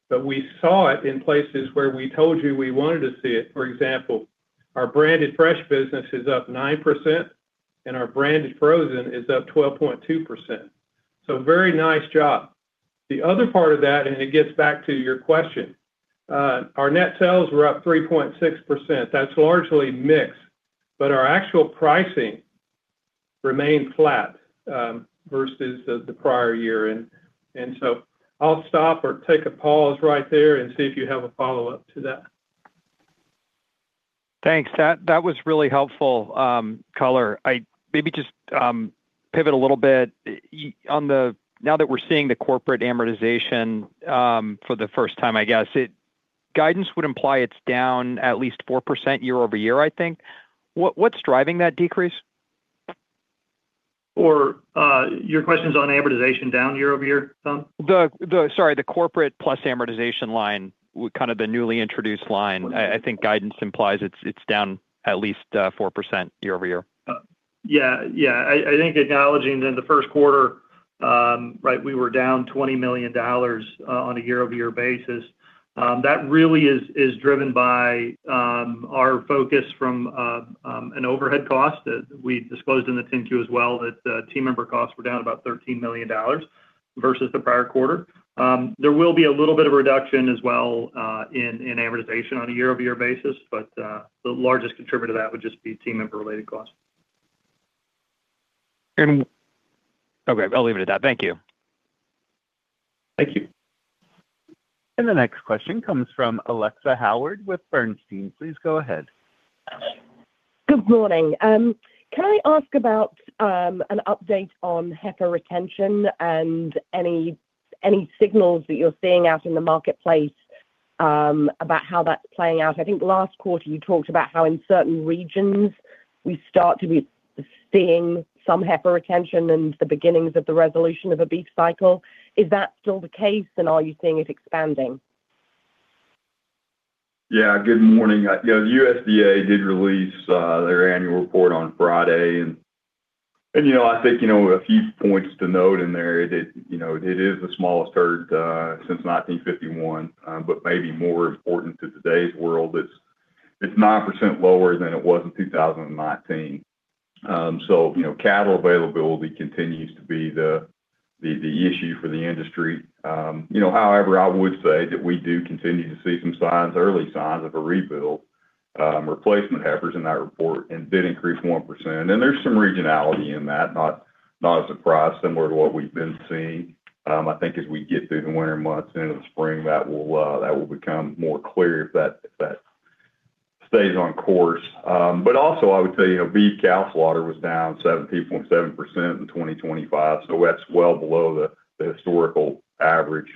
[SPEAKER 3] But we saw it in places where we told you we wanted to see it. For example, our branded fresh business is up 9%, and our branded frozen is up 12.2%. Very nice job. The other part of that, and it gets back to your question, our net sales were up 3.6%. That's largely mixed. But our actual pricing remained flat versus the prior year. And so I'll stop or take a pause right there and see if you have a follow-up to that.
[SPEAKER 9] Thanks. That was really helpful, Calaway. Maybe just pivot a little bit. Now that we're seeing the corporate amortization for the first time, I guess, guidance would imply it's down at least 4% year-over-year, I think. What's driving that decrease?
[SPEAKER 5] Or your question's on amortization down year-over-year, Tom?
[SPEAKER 9] Sorry, the corporate plus amortization line, kind of the newly introduced line, I think guidance implies it's down at least 4% year-over-year.
[SPEAKER 5] Yeah. Yeah. I think acknowledging that in the first quarter, right, we were down $20 million on a year-over-year basis. That really is driven by our focus from an overhead cost that we disclosed in the 10-Q as well, that team member costs were down about $13 million versus the prior quarter. There will be a little bit of reduction as well in amortization on a year-over-year basis, but the largest contributor to that would just be team member-related costs.
[SPEAKER 9] Okay, I'll leave it at that. Thank you.
[SPEAKER 5] Thank you.
[SPEAKER 1] The next question comes from Alexia Howard with Bernstein. Please go ahead.
[SPEAKER 10] Good morning. Can I ask about an update on heifer retention and any signals that you're seeing out in the marketplace about how that's playing out? I think last quarter, you talked about how in certain regions, we start to be seeing some heifer retention and the beginnings of the resolution of a beef cycle. Is that still the case, and are you seeing it expanding?
[SPEAKER 4] Yeah. Good morning. The USDA did release their annual report on Friday. And I think a few points to note in there. It is the smallest herd since 1951, but maybe more important to today's world. It's 9% lower than it was in 2019. So cattle availability continues to be the issue for the industry. However, I would say that we do continue to see some signs, early signs of a rebuild. Replacement heifers in that report did increase 1%. And there's some regionality in that, not a surprise, similar to what we've been seeing. I think as we get through the winter months and into the spring, that will become more clear if that stays on course. But also, I would tell you, beef cow slaughter was down 17.7% in 2025. So that's well below the historical average.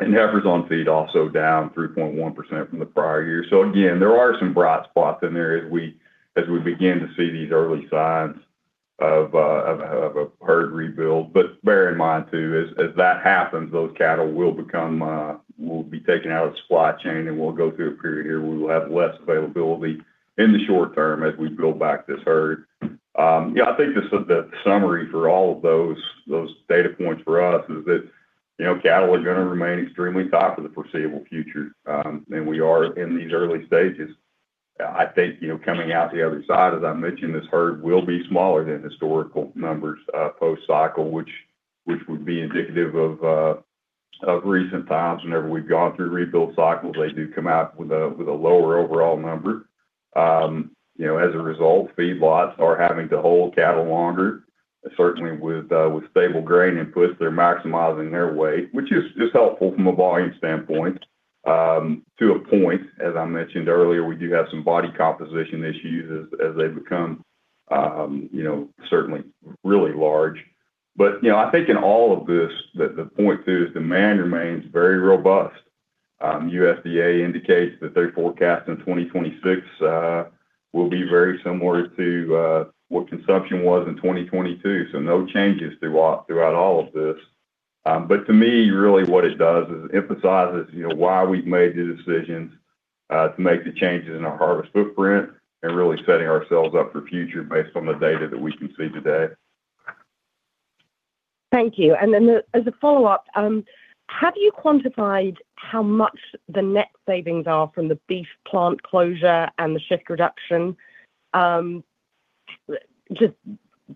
[SPEAKER 4] And heifers on feed also down 3.1% from the prior year. So again, there are some bright spots in there as we begin to see these early signs of a herd rebuild. But bear in mind, too, as that happens, those cattle will be taken out of the supply chain, and we'll go through a period where we will have less availability in the short term as we build back this herd. I think the summary for all of those data points for us is that cattle are going to remain extremely tight for the foreseeable future. And we are in these early stages. I think coming out the other side, as I mentioned, this herd will be smaller than historical numbers post-cycle, which would be indicative of recent times. Whenever we've gone through rebuild cycles, they do come out with a lower overall number. As a result, feedlots are having to hold cattle longer. Certainly, with stable grain inputs, they're maximizing their weight, which is just helpful from a volume standpoint to a point. As I mentioned earlier, we do have some body composition issues as they become certainly really large. But I think in all of this, the point, too, is demand remains very robust. USDA indicates that their forecast in 2026 will be very similar to what consumption was in 2022. So no changes throughout all of this. But to me, really, what it does is emphasizes why we've made the decisions to make the changes in our harvest footprint and really setting ourselves up for future based on the data that we can see today.
[SPEAKER 10] Thank you. And then as a follow-up, have you quantified how much the net savings are from the beef plant closure and the shift reduction? Just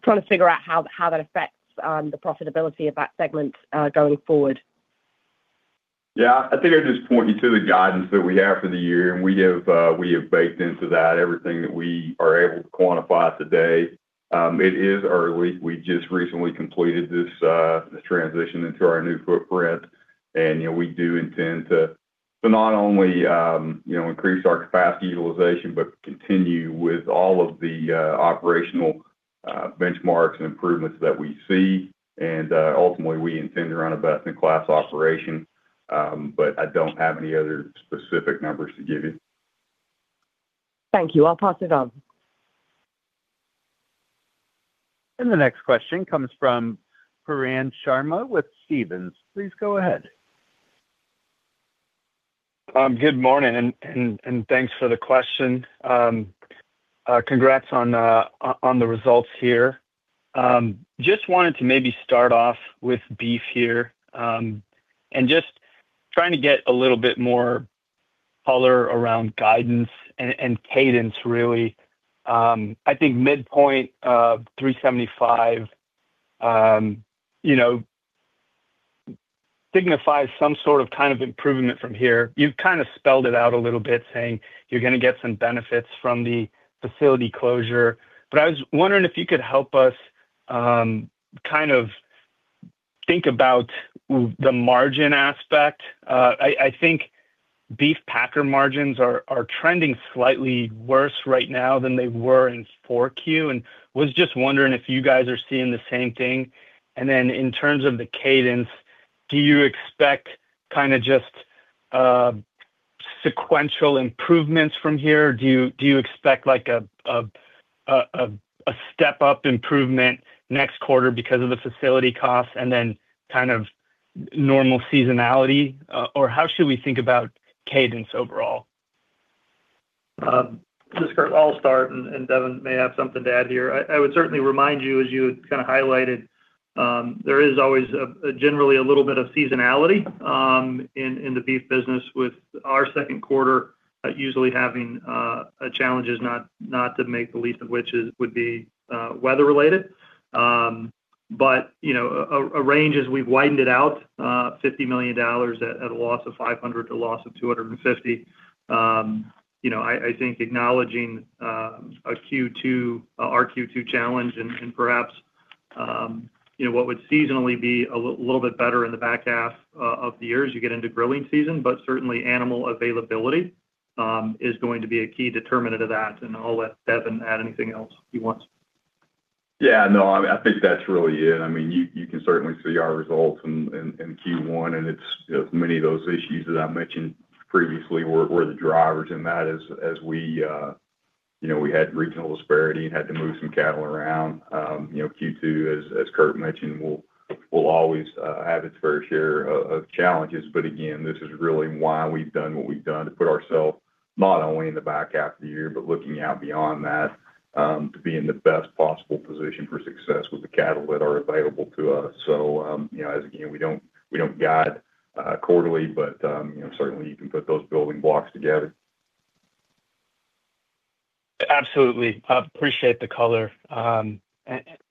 [SPEAKER 10] trying to figure out how that affects the profitability of that segment going forward.
[SPEAKER 4] Yeah. I think I'd just point you to the guidance that we have for the year. We have baked into that everything that we are able to quantify today. It is early. We just recently completed this transition into our new footprint. We do intend to not only increase our capacity utilization but continue with all of the operational benchmarks and improvements that we see. Ultimately, we intend to run a best-in-class operation. But I don't have any other specific numbers to give you.
[SPEAKER 10] Thank you. I'll pass it on.
[SPEAKER 1] The next question comes from Pooran Sharma with Stephens. Please go ahead.
[SPEAKER 11] Good morning. Thanks for the question. Congrats on the results here. Just wanted to maybe start off with Beef here and just trying to get a little bit more color around guidance and cadence, really. I think midpoint of 375 signifies some sort of kind of improvement from here. You've kind of spelled it out a little bit saying you're going to get some benefits from the facility closure. But I was wondering if you could help us kind of think about the margin aspect. I think beef packer margins are trending slightly worse right now than they were in 4Q. And was just wondering if you guys are seeing the same thing. And then in terms of the cadence, do you expect kind of just sequential improvements from here? Do you expect a step-up improvement next quarter because of the facility costs and then kind of normal seasonality? Or how should we think about cadence overall?
[SPEAKER 5] I'll start, and Devin may have something to add here. I would certainly remind you, as you had kind of highlighted, there is always generally a little bit of seasonality in the beef business with our second quarter usually having challenges, not the least of which would be weather-related. But a range as we've widened it out $50 million, at a loss of $500 million-$250 million. I think acknowledging our Q2 challenge and perhaps what would seasonally be a little bit better in the back half of the year as you get into grilling season. But certainly, animal availability is going to be a key determinant of that. And I'll let Devin add anything else he wants.
[SPEAKER 4] Yeah. No, I think that's really it. I mean, you can certainly see our results in Q1. And many of those issues that I mentioned previously were the drivers in that as we had regional disparity and had to move some cattle around. Q2, as Curt mentioned, will always have its fair share of challenges. But again, this is really why we've done what we've done to put ourselves not only in the back half of the year but looking out beyond that to be in the best possible position for success with the cattle that are available to us. So again, we don't guide quarterly, but certainly, you can put those building blocks together.
[SPEAKER 11] Absolutely. I appreciate the color. And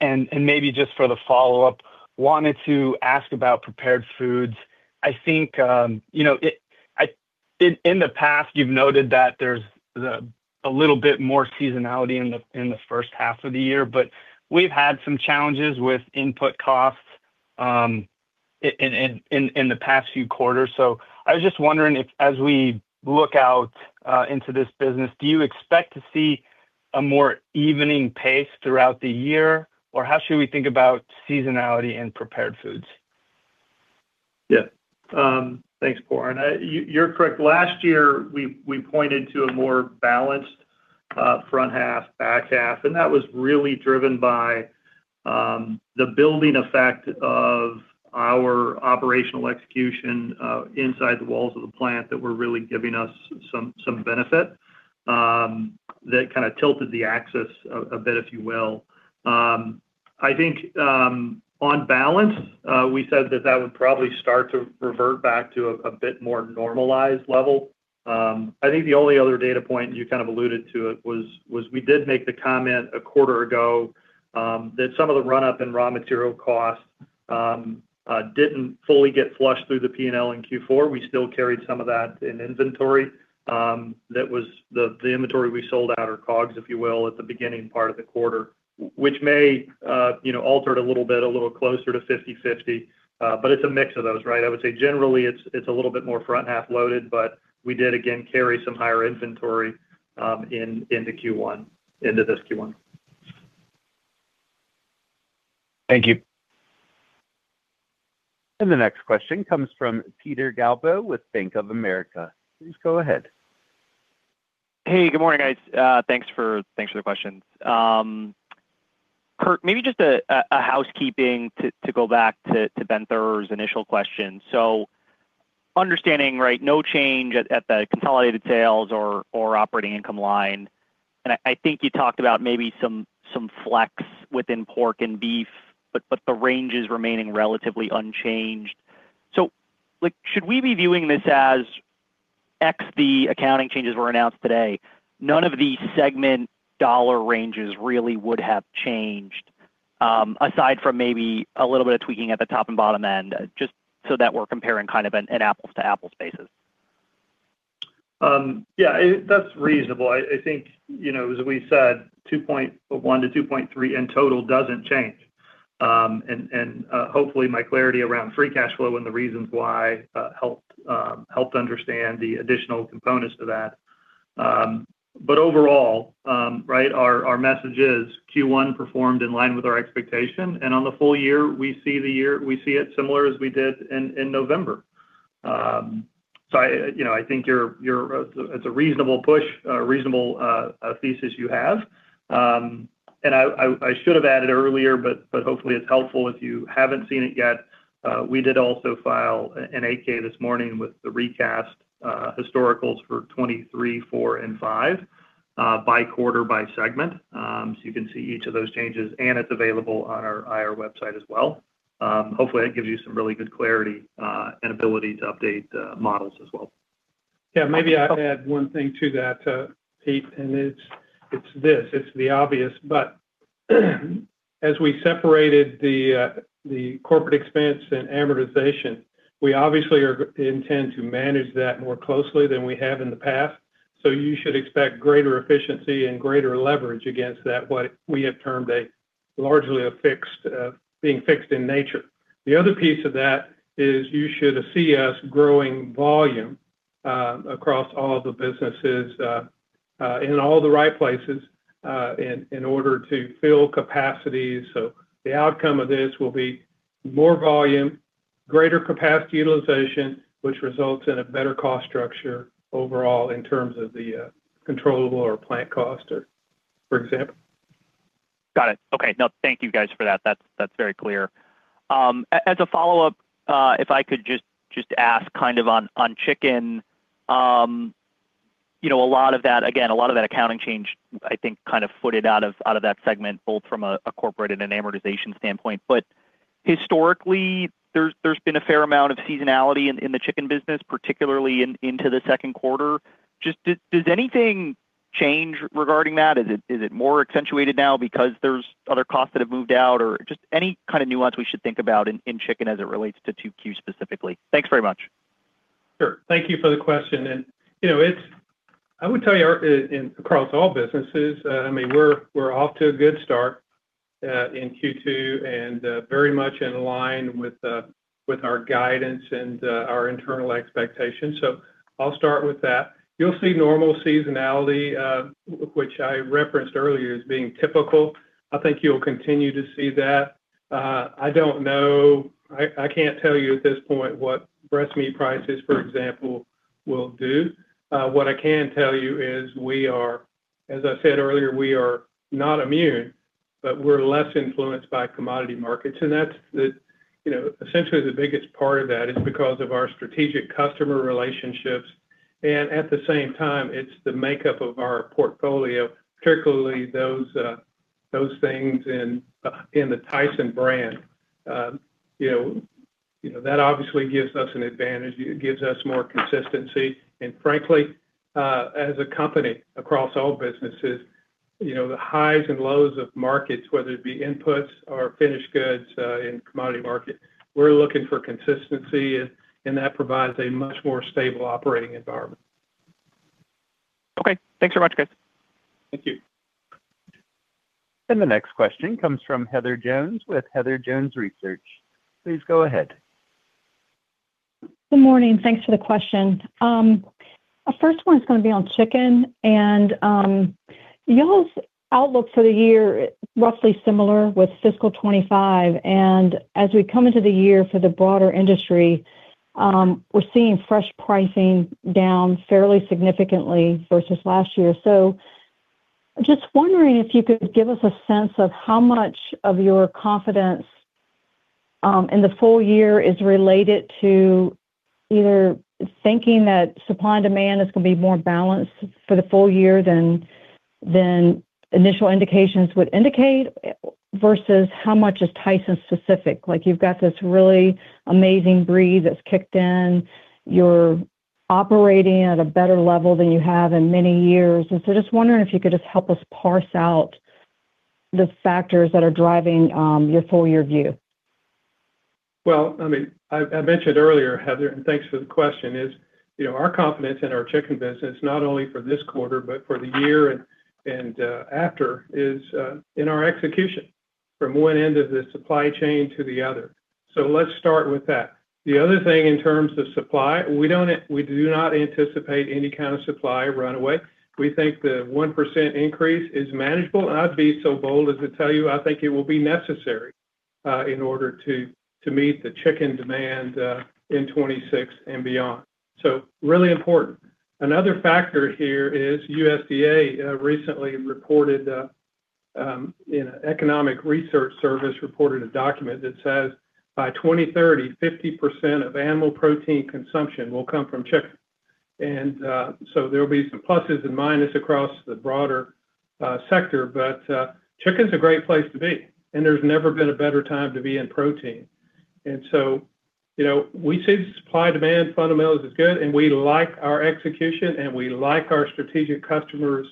[SPEAKER 11] maybe just for the follow-up, wanted to ask about prepared foods. I think in the past, you've noted that there's a little bit more seasonality in the first half of the year. But we've had some challenges with input costs in the past few quarters. So I was just wondering if as we look out into this business, do you expect to see a more even pace throughout the year? Or how should we think about seasonality in prepared foods?
[SPEAKER 5] Yeah. Thanks, Pooran. You're correct. Last year, we pointed to a more balanced front half, back half. And that was really driven by the building effect of our operational execution inside the walls of the plant that were really giving us some benefit that kind of tilted the axis a bit, if you will. I think on balance, we said that that would probably start to revert back to a bit more normalized level. I think the only other data point, and you kind of alluded to it, was we did make the comment a quarter ago that some of the run-up in raw material costs didn't fully get flushed through the P&L in Q4. We still carried some of that in inventory. The inventory we sold out or COGS, if you will, at the beginning part of the quarter, which may have altered a little bit, a little closer to 50/50. But it's a mix of those, right? I would say generally, it's a little bit more front half loaded. But we did, again, carry some higher inventory into this Q1.
[SPEAKER 11] Thank you.
[SPEAKER 1] The next question comes from Peter Galbo with Bank of America. Please go ahead.
[SPEAKER 12] Hey, good morning, guys. Thanks for the questions. Curt, maybe just a housekeeping to go back to Ben Theurer's initial question. So understanding, right, no change at the consolidated sales or operating income line. And I think you talked about maybe some flex within pork and beef, but the range is remaining relatively unchanged. So should we be viewing this as X, the accounting changes were announced today, none of the segment dollar ranges really would have changed aside from maybe a little bit of tweaking at the top and bottom end just so that we're comparing kind of an apples-to-apples basis?
[SPEAKER 5] Yeah, that's reasonable. I think, as we said, 1-2.3 in total doesn't change. And hopefully, my clarity around free cash flow and the reasons why helped understand the additional components to that. But overall, right, our message is Q1 performed in line with our expectation. And on the full year, we see the year we see it similar as we did in November. So I think it's a reasonable push, a reasonable thesis you have. And I should have added earlier, but hopefully, it's helpful if you haven't seen it yet. We did also file an 8-K this morning with the recast historicals for 2023, 2024, and 2025 by quarter, by segment. So you can see each of those changes. And it's available on our IR website as well. Hopefully, that gives you some really good clarity and ability to update models as well.
[SPEAKER 3] Yeah. Maybe I add one thing to that, Pete. And it's this. It's the obvious. But as we separated the corporate expense and amortization, we obviously intend to manage that more closely than we have in the past. So you should expect greater efficiency and greater leverage against that, what we have termed largely being fixed in nature. The other piece of that is you should see us growing volume across all of the businesses in all the right places in order to fill capacities. So the outcome of this will be more volume, greater capacity utilization, which results in a better cost structure overall in terms of the controllable or plant cost, for example.
[SPEAKER 12] Got it. Okay. No, thank you, guys, for that. That's very clear. As a follow-up, if I could just ask kind of on chicken, a lot of that again, a lot of that accounting change, I think, kind of footed out of that segment both from a corporate and an amortization standpoint. But historically, there's been a fair amount of seasonality in the chicken business, particularly into the second quarter. Just does anything change regarding that? Is it more accentuated now because there's other costs that have moved out? Or just any kind of nuance we should think about in chicken as it relates to 2Q specifically? Thanks very much.
[SPEAKER 3] Sure. Thank you for the question. I would tell you across all businesses, I mean, we're off to a good start in Q2 and very much in line with our guidance and our internal expectations. I'll start with that. You'll see normal seasonality, which I referenced earlier as being typical. I think you'll continue to see that. I don't know. I can't tell you at this point what breast meat prices, for example, will do. What I can tell you is we are as I said earlier, we are not immune, but we're less influenced by commodity markets. Essentially, the biggest part of that is because of our strategic customer relationships. At the same time, it's the makeup of our portfolio, particularly those things in the Tyson brand. That obviously gives us an advantage. It gives us more consistency. Frankly, as a company across all businesses, the highs and lows of markets, whether it be inputs or finished goods in commodity market, we're looking for consistency. That provides a much more stable operating environment.
[SPEAKER 12] Okay. Thanks very much, guys.
[SPEAKER 5] Thank you.
[SPEAKER 1] The next question comes from Heather Jones with Heather Jones Research. Please go ahead.
[SPEAKER 13] Good morning. Thanks for the question. The first one is going to be on chicken. Y'all's outlook for the year is roughly similar with fiscal 2025. As we come into the year for the broader industry, we're seeing fresh pricing down fairly significantly versus last year. So just wondering if you could give us a sense of how much of your confidence in the full year is related to either thinking that supply and demand is going to be more balanced for the full year than initial indications would indicate versus how much is Tyson specific? You've got this really amazing breed that's kicked in. You're operating at a better level than you have in many years. So just wondering if you could just help us parse out the factors that are driving your full-year view.
[SPEAKER 3] Well, I mean, I mentioned earlier, Heather, and thanks for the question, is our confidence in our chicken business, not only for this quarter but for the year and after, is in our execution from one end of the supply chain to the other. So let's start with that. The other thing in terms of supply, we do not anticipate any kind of supply runaway. We think the 1% increase is manageable. And I'd be so bold as to tell you, I think it will be necessary in order to meet the chicken demand in 2026 and beyond. So really important. Another factor here is USDA recently reported an Economic Research Service reported a document that says by 2030, 50% of animal protein consumption will come from chicken. And so there'll be some pluses and minuses across the broader sector. But chicken's a great place to be. And there's never been a better time to be in protein. And so we see the supply-demand fundamentals as good. And we like our execution. And we like our strategic customers'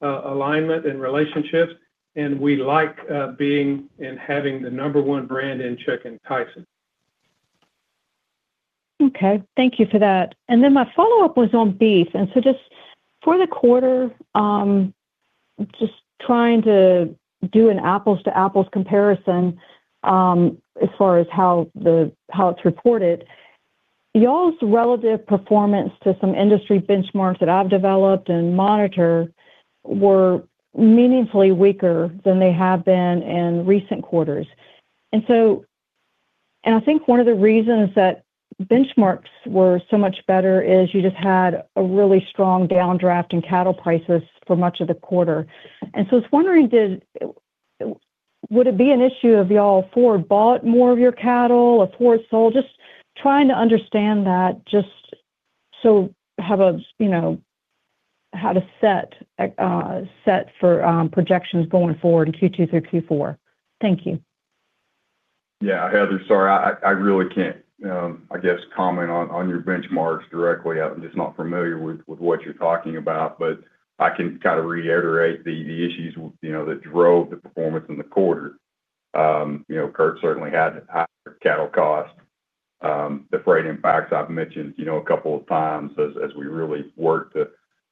[SPEAKER 3] alignment and relationships. And we like being and having the number one brand in chicken, Tyson.
[SPEAKER 13] Okay. Thank you for that. Then my follow-up was on beef. So just for the quarter, just trying to do an apples-to-apples comparison as far as how it's reported, y'all's relative performance to some industry benchmarks that I've developed and monitor were meaningfully weaker than they have been in recent quarters. I think one of the reasons that benchmarks were so much better is you just had a really strong downdraft in cattle prices for much of the quarter. So I was wondering, would it be an issue if y'all forward bought more of your cattle, if forward sold? Just trying to understand that just so I have a how-to set for projections going forward in Q2 through Q4. Thank you.
[SPEAKER 4] Yeah, Heather. Sorry. I really can't, I guess, comment on your benchmarks directly. I'm just not familiar with what you're talking about. But I can kind of reiterate the issues that drove the performance in the quarter. Curt certainly had higher cattle cost. The freight impacts I've mentioned a couple of times as we really worked to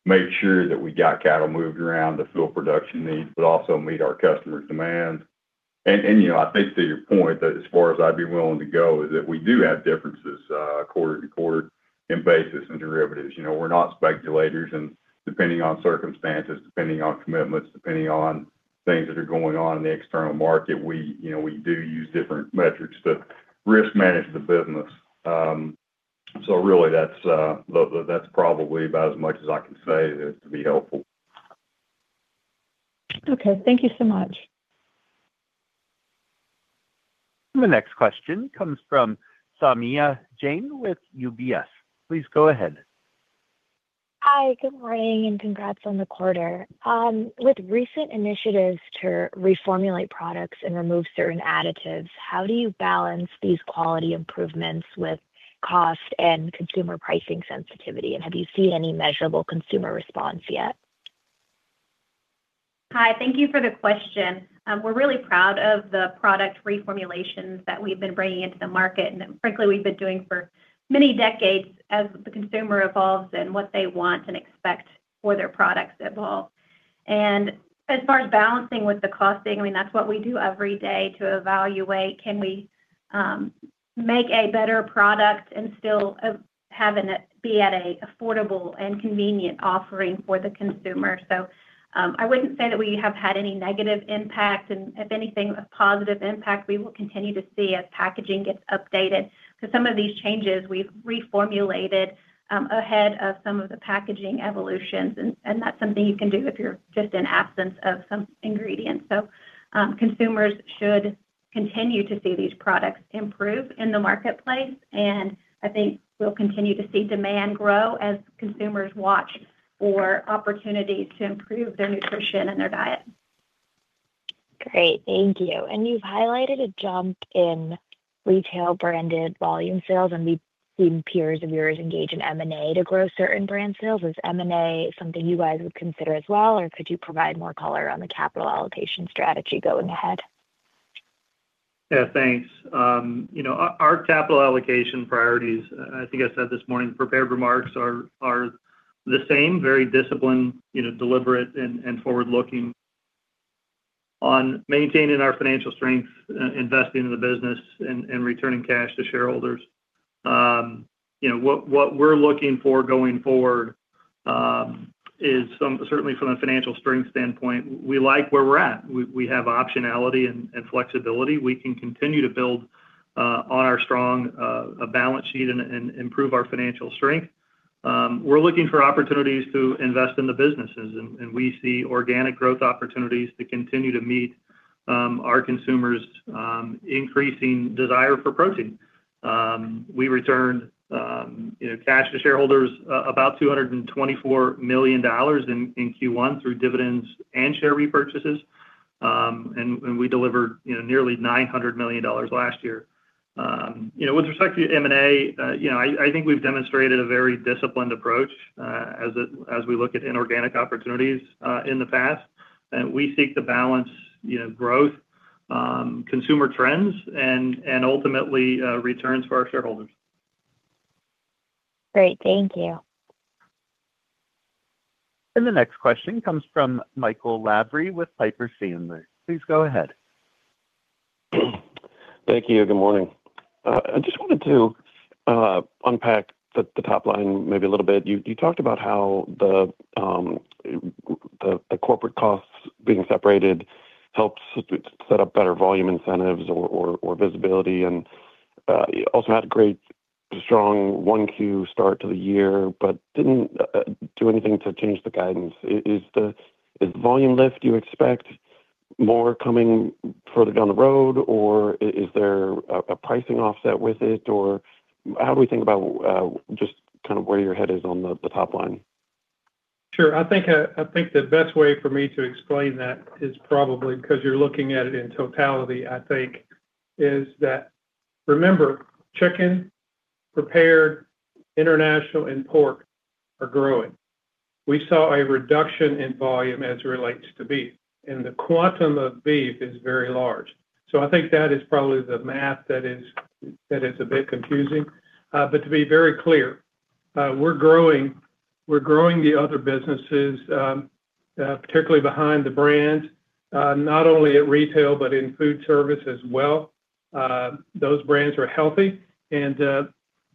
[SPEAKER 4] make sure that we got cattle moved around to fill production needs but also meet our customers' demands. And I think to your point, as far as I'd be willing to go, is that we do have differences quarter to quarter in basis and derivatives. We're not speculators. And depending on circumstances, depending on commitments, depending on things that are going on in the external market, we do use different metrics to risk manage the business. So really, that's probably about as much as I can say to be helpful.
[SPEAKER 13] Okay. Thank you so much.
[SPEAKER 1] The next question comes from Saumya Jain with UBS. Please go ahead.
[SPEAKER 14] Hi. Good morning. Congrats on the quarter. With recent initiatives to reformulate products and remove certain additives, how do you balance these quality improvements with cost and consumer pricing sensitivity? And have you seen any measurable consumer response yet?
[SPEAKER 8] Hi. Thank you for the question. We're really proud of the product reformulations that we've been bringing into the market. Frankly, we've been doing for many decades as the consumer evolves and what they want and expect for their products to evolve. As far as balancing with the costing, I mean, that's what we do every day to evaluate, can we make a better product and still have it be at an affordable and convenient offering for the consumer? I wouldn't say that we have had any negative impact. And if anything, a positive impact we will continue to see as packaging gets updated. Because some of these changes, we've reformulated ahead of some of the packaging evolutions. And that's something you can do if you're just in absence of some ingredients. Consumers should continue to see these products improve in the marketplace. I think we'll continue to see demand grow as consumers watch for opportunities to improve their nutrition and their diet.
[SPEAKER 14] Great. Thank you. You've highlighted a jump in retail-branded volume sales. We've seen peers of yours engage in M&A to grow certain brand sales. Is M&A something you guys would consider as well? Or could you provide more color on the capital allocation strategy going ahead?
[SPEAKER 5] Yeah. Thanks. Our capital allocation priorities, I think I said this morning, prepared remarks are the same, very disciplined, deliberate, and forward-looking on maintaining our financial strength, investing in the business, and returning cash to shareholders. What we're looking for going forward is certainly from a financial strength standpoint, we like where we're at. We have optionality and flexibility. We can continue to build on our strong balance sheet and improve our financial strength. We're looking for opportunities to invest in the businesses. And we see organic growth opportunities to continue to meet our consumers' increasing desire for protein. We returned cash to shareholders about $224 million in Q1 through dividends and share repurchases. And we delivered nearly $900 million last year. With respect to M&A, I think we've demonstrated a very disciplined approach as we look at inorganic opportunities in the past. We seek to balance growth, consumer trends, and ultimately, returns for our shareholders.
[SPEAKER 14] Great. Thank you.
[SPEAKER 1] The next question comes from Michael Lavery with Piper Sandler. Please go ahead.
[SPEAKER 15] Thank you. Good morning. I just wanted to unpack the top line maybe a little bit. You talked about how the corporate costs being separated helps set up better volume incentives or visibility. Also had a great, strong 1Q start to the year but didn't do anything to change the guidance. Is the volume lift you expect more coming further down the road? Or is there a pricing offset with it? Or how do we think about just kind of where your head is on the top line?
[SPEAKER 3] Sure. I think the best way for me to explain that is probably because you're looking at it in totality, I think, is that remember, Chicken, Prepared Foods, International, and Pork are growing. We saw a reduction in volume as it relates to Beef. And the quantum of Beef is very large. So I think that is probably the math that is a bit confusing. But to be very clear, we're growing the other businesses, particularly behind the brands, not only at retail but in food service as well. Those brands are healthy. And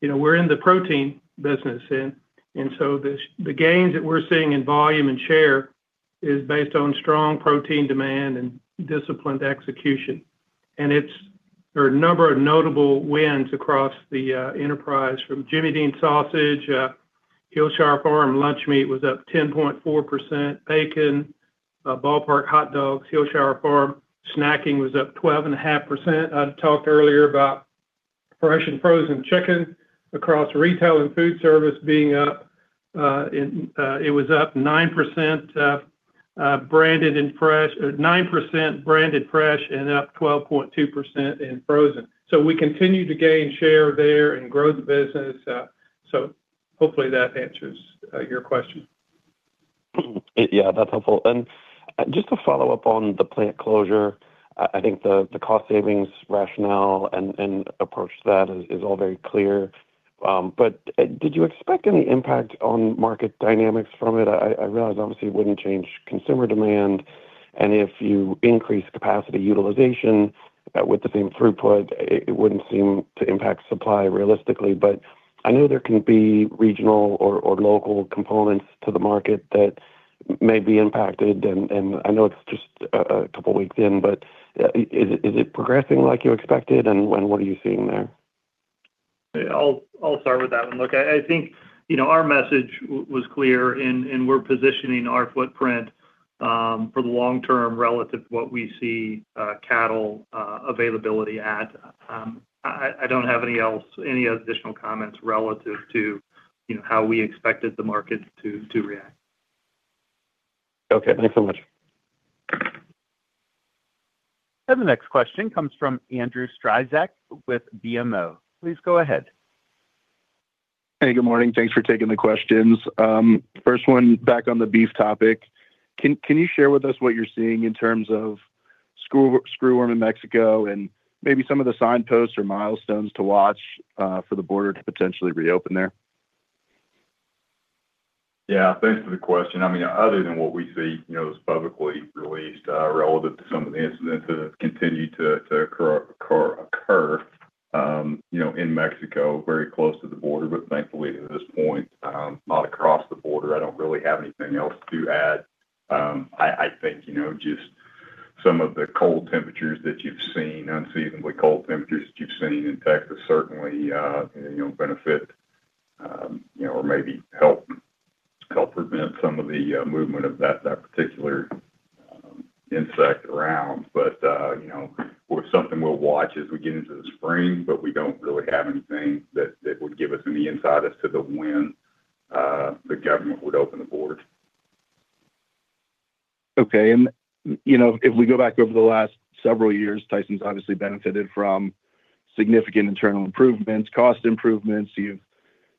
[SPEAKER 3] we're in the protein business. And so the gains that we're seeing in volume and share is based on strong protein demand and disciplined execution. And there are a number of notable wins across the enterprise from Jimmy Dean sausage, Hillshire Farm lunch meat was up 10.4%, bacon, Ball Park hot dogs, Hillshire Farm Snacking was up 12.5%. I talked earlier about fresh and frozen chicken across retail and food service being up. It was up 9% branded and fresh, 9% branded fresh, and up 12.2% in frozen. So we continue to gain share there and grow the business. So hopefully, that answers your question.
[SPEAKER 15] Yeah. That's helpful. And just to follow up on the plant closure, I think the cost savings rationale and approach to that is all very clear. But did you expect any impact on market dynamics from it? I realize obviously, it wouldn't change consumer demand. And if you increase capacity utilization with the same throughput, it wouldn't seem to impact supply realistically. But I know there can be regional or local components to the market that may be impacted. And I know it's just a couple of weeks in. But is it progressing like you expected? And what are you seeing there?
[SPEAKER 5] I'll start with that one. Look, I think our message was clear. We're positioning our footprint for the long term relative to what we see cattle availability at. I don't have any additional comments relative to how we expected the market to react.
[SPEAKER 15] Okay. Thanks so much.
[SPEAKER 1] The next question comes from Andrew Strelzik with BMO. Please go ahead.
[SPEAKER 16] Hey. Good morning. Thanks for taking the questions. First one, back on the beef topic. Can you share with us what you're seeing in terms of screwworm in Mexico and maybe some of the signposts or milestones to watch for the border to potentially reopen there?
[SPEAKER 4] Yeah. Thanks for the question. I mean, other than what we see that's publicly released relative to some of the incidents that have continued to occur in Mexico, very close to the border. But thankfully, at this point, not across the border. I don't really have anything else to add. I think just some of the cold temperatures that you've seen, unseasonably cold temperatures that you've seen in Texas certainly benefit or maybe help prevent some of the movement of that particular insect around. But something we'll watch as we get into the spring. But we don't really have anything that would give us any insight as to the when the government would open the border.
[SPEAKER 16] Okay. And if we go back over the last several years, Tyson's obviously benefited from significant internal improvements, cost improvements. You've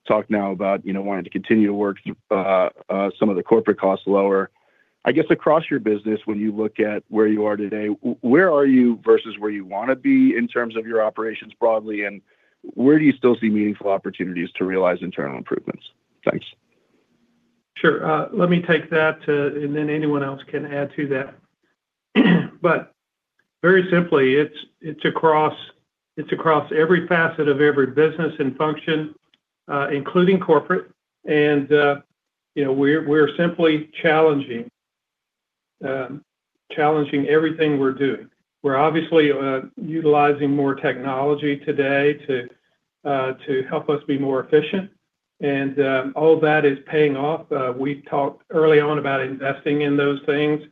[SPEAKER 16] talked now about wanting to continue to work some of the corporate costs lower. I guess across your business, when you look at where you are today, where are you versus where you want to be in terms of your operations broadly? And where do you still see meaningful opportunities to realize internal improvements? Thanks.
[SPEAKER 3] Sure. Let me take that. Then anyone else can add to that. Very simply, it's across every facet of every business and function, including corporate. We're simply challenging everything we're doing. We're obviously utilizing more technology today to help us be more efficient. And all that is paying off. We talked early on about investing in those things.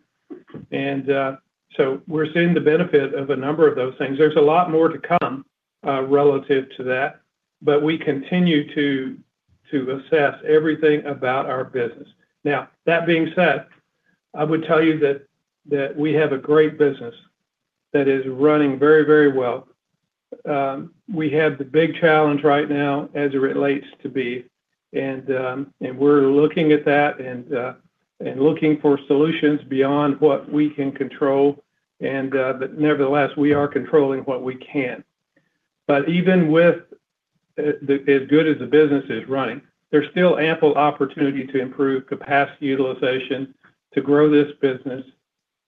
[SPEAKER 3] So we're seeing the benefit of a number of those things. There's a lot more to come relative to that. But we continue to assess everything about our business. Now, that being said, I would tell you that we have a great business that is running very, very well. We have the big challenge right now as it relates to beef. And we're looking at that and looking for solutions beyond what we can control. But nevertheless, we are controlling what we can. But even with as good as the business is running, there's still ample opportunity to improve capacity utilization, to grow this business,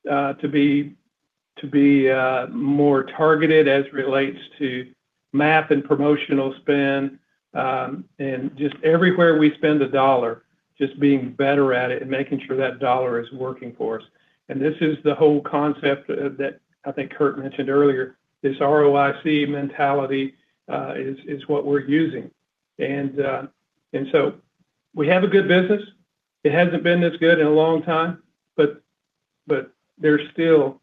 [SPEAKER 3] to be more targeted as it relates to MAP and promotional spend. And just everywhere we spend a dollar, just being better at it and making sure that dollar is working for us. And this is the whole concept that I think Curt mentioned earlier. This ROIC mentality is what we're using. And so we have a good business. It hasn't been as good in a long time. But there's still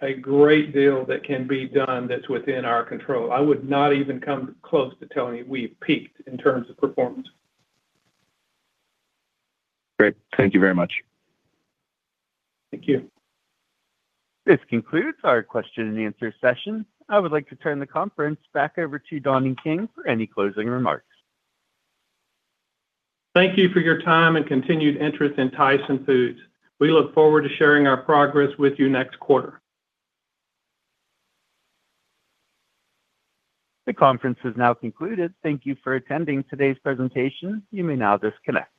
[SPEAKER 3] a great deal that can be done that's within our control. I would not even come close to telling you we've peaked in terms of performance.
[SPEAKER 16] Great. Thank you very much.
[SPEAKER 5] Thank you.
[SPEAKER 1] This concludes our question and answer session. I would like to turn the conference back over to Donnie King for any closing remarks.
[SPEAKER 3] Thank you for your time and continued interest in Tyson Foods. We look forward to sharing our progress with you next quarter.
[SPEAKER 1] The conference has now concluded. Thank you for attending today's presentation. You may now disconnect.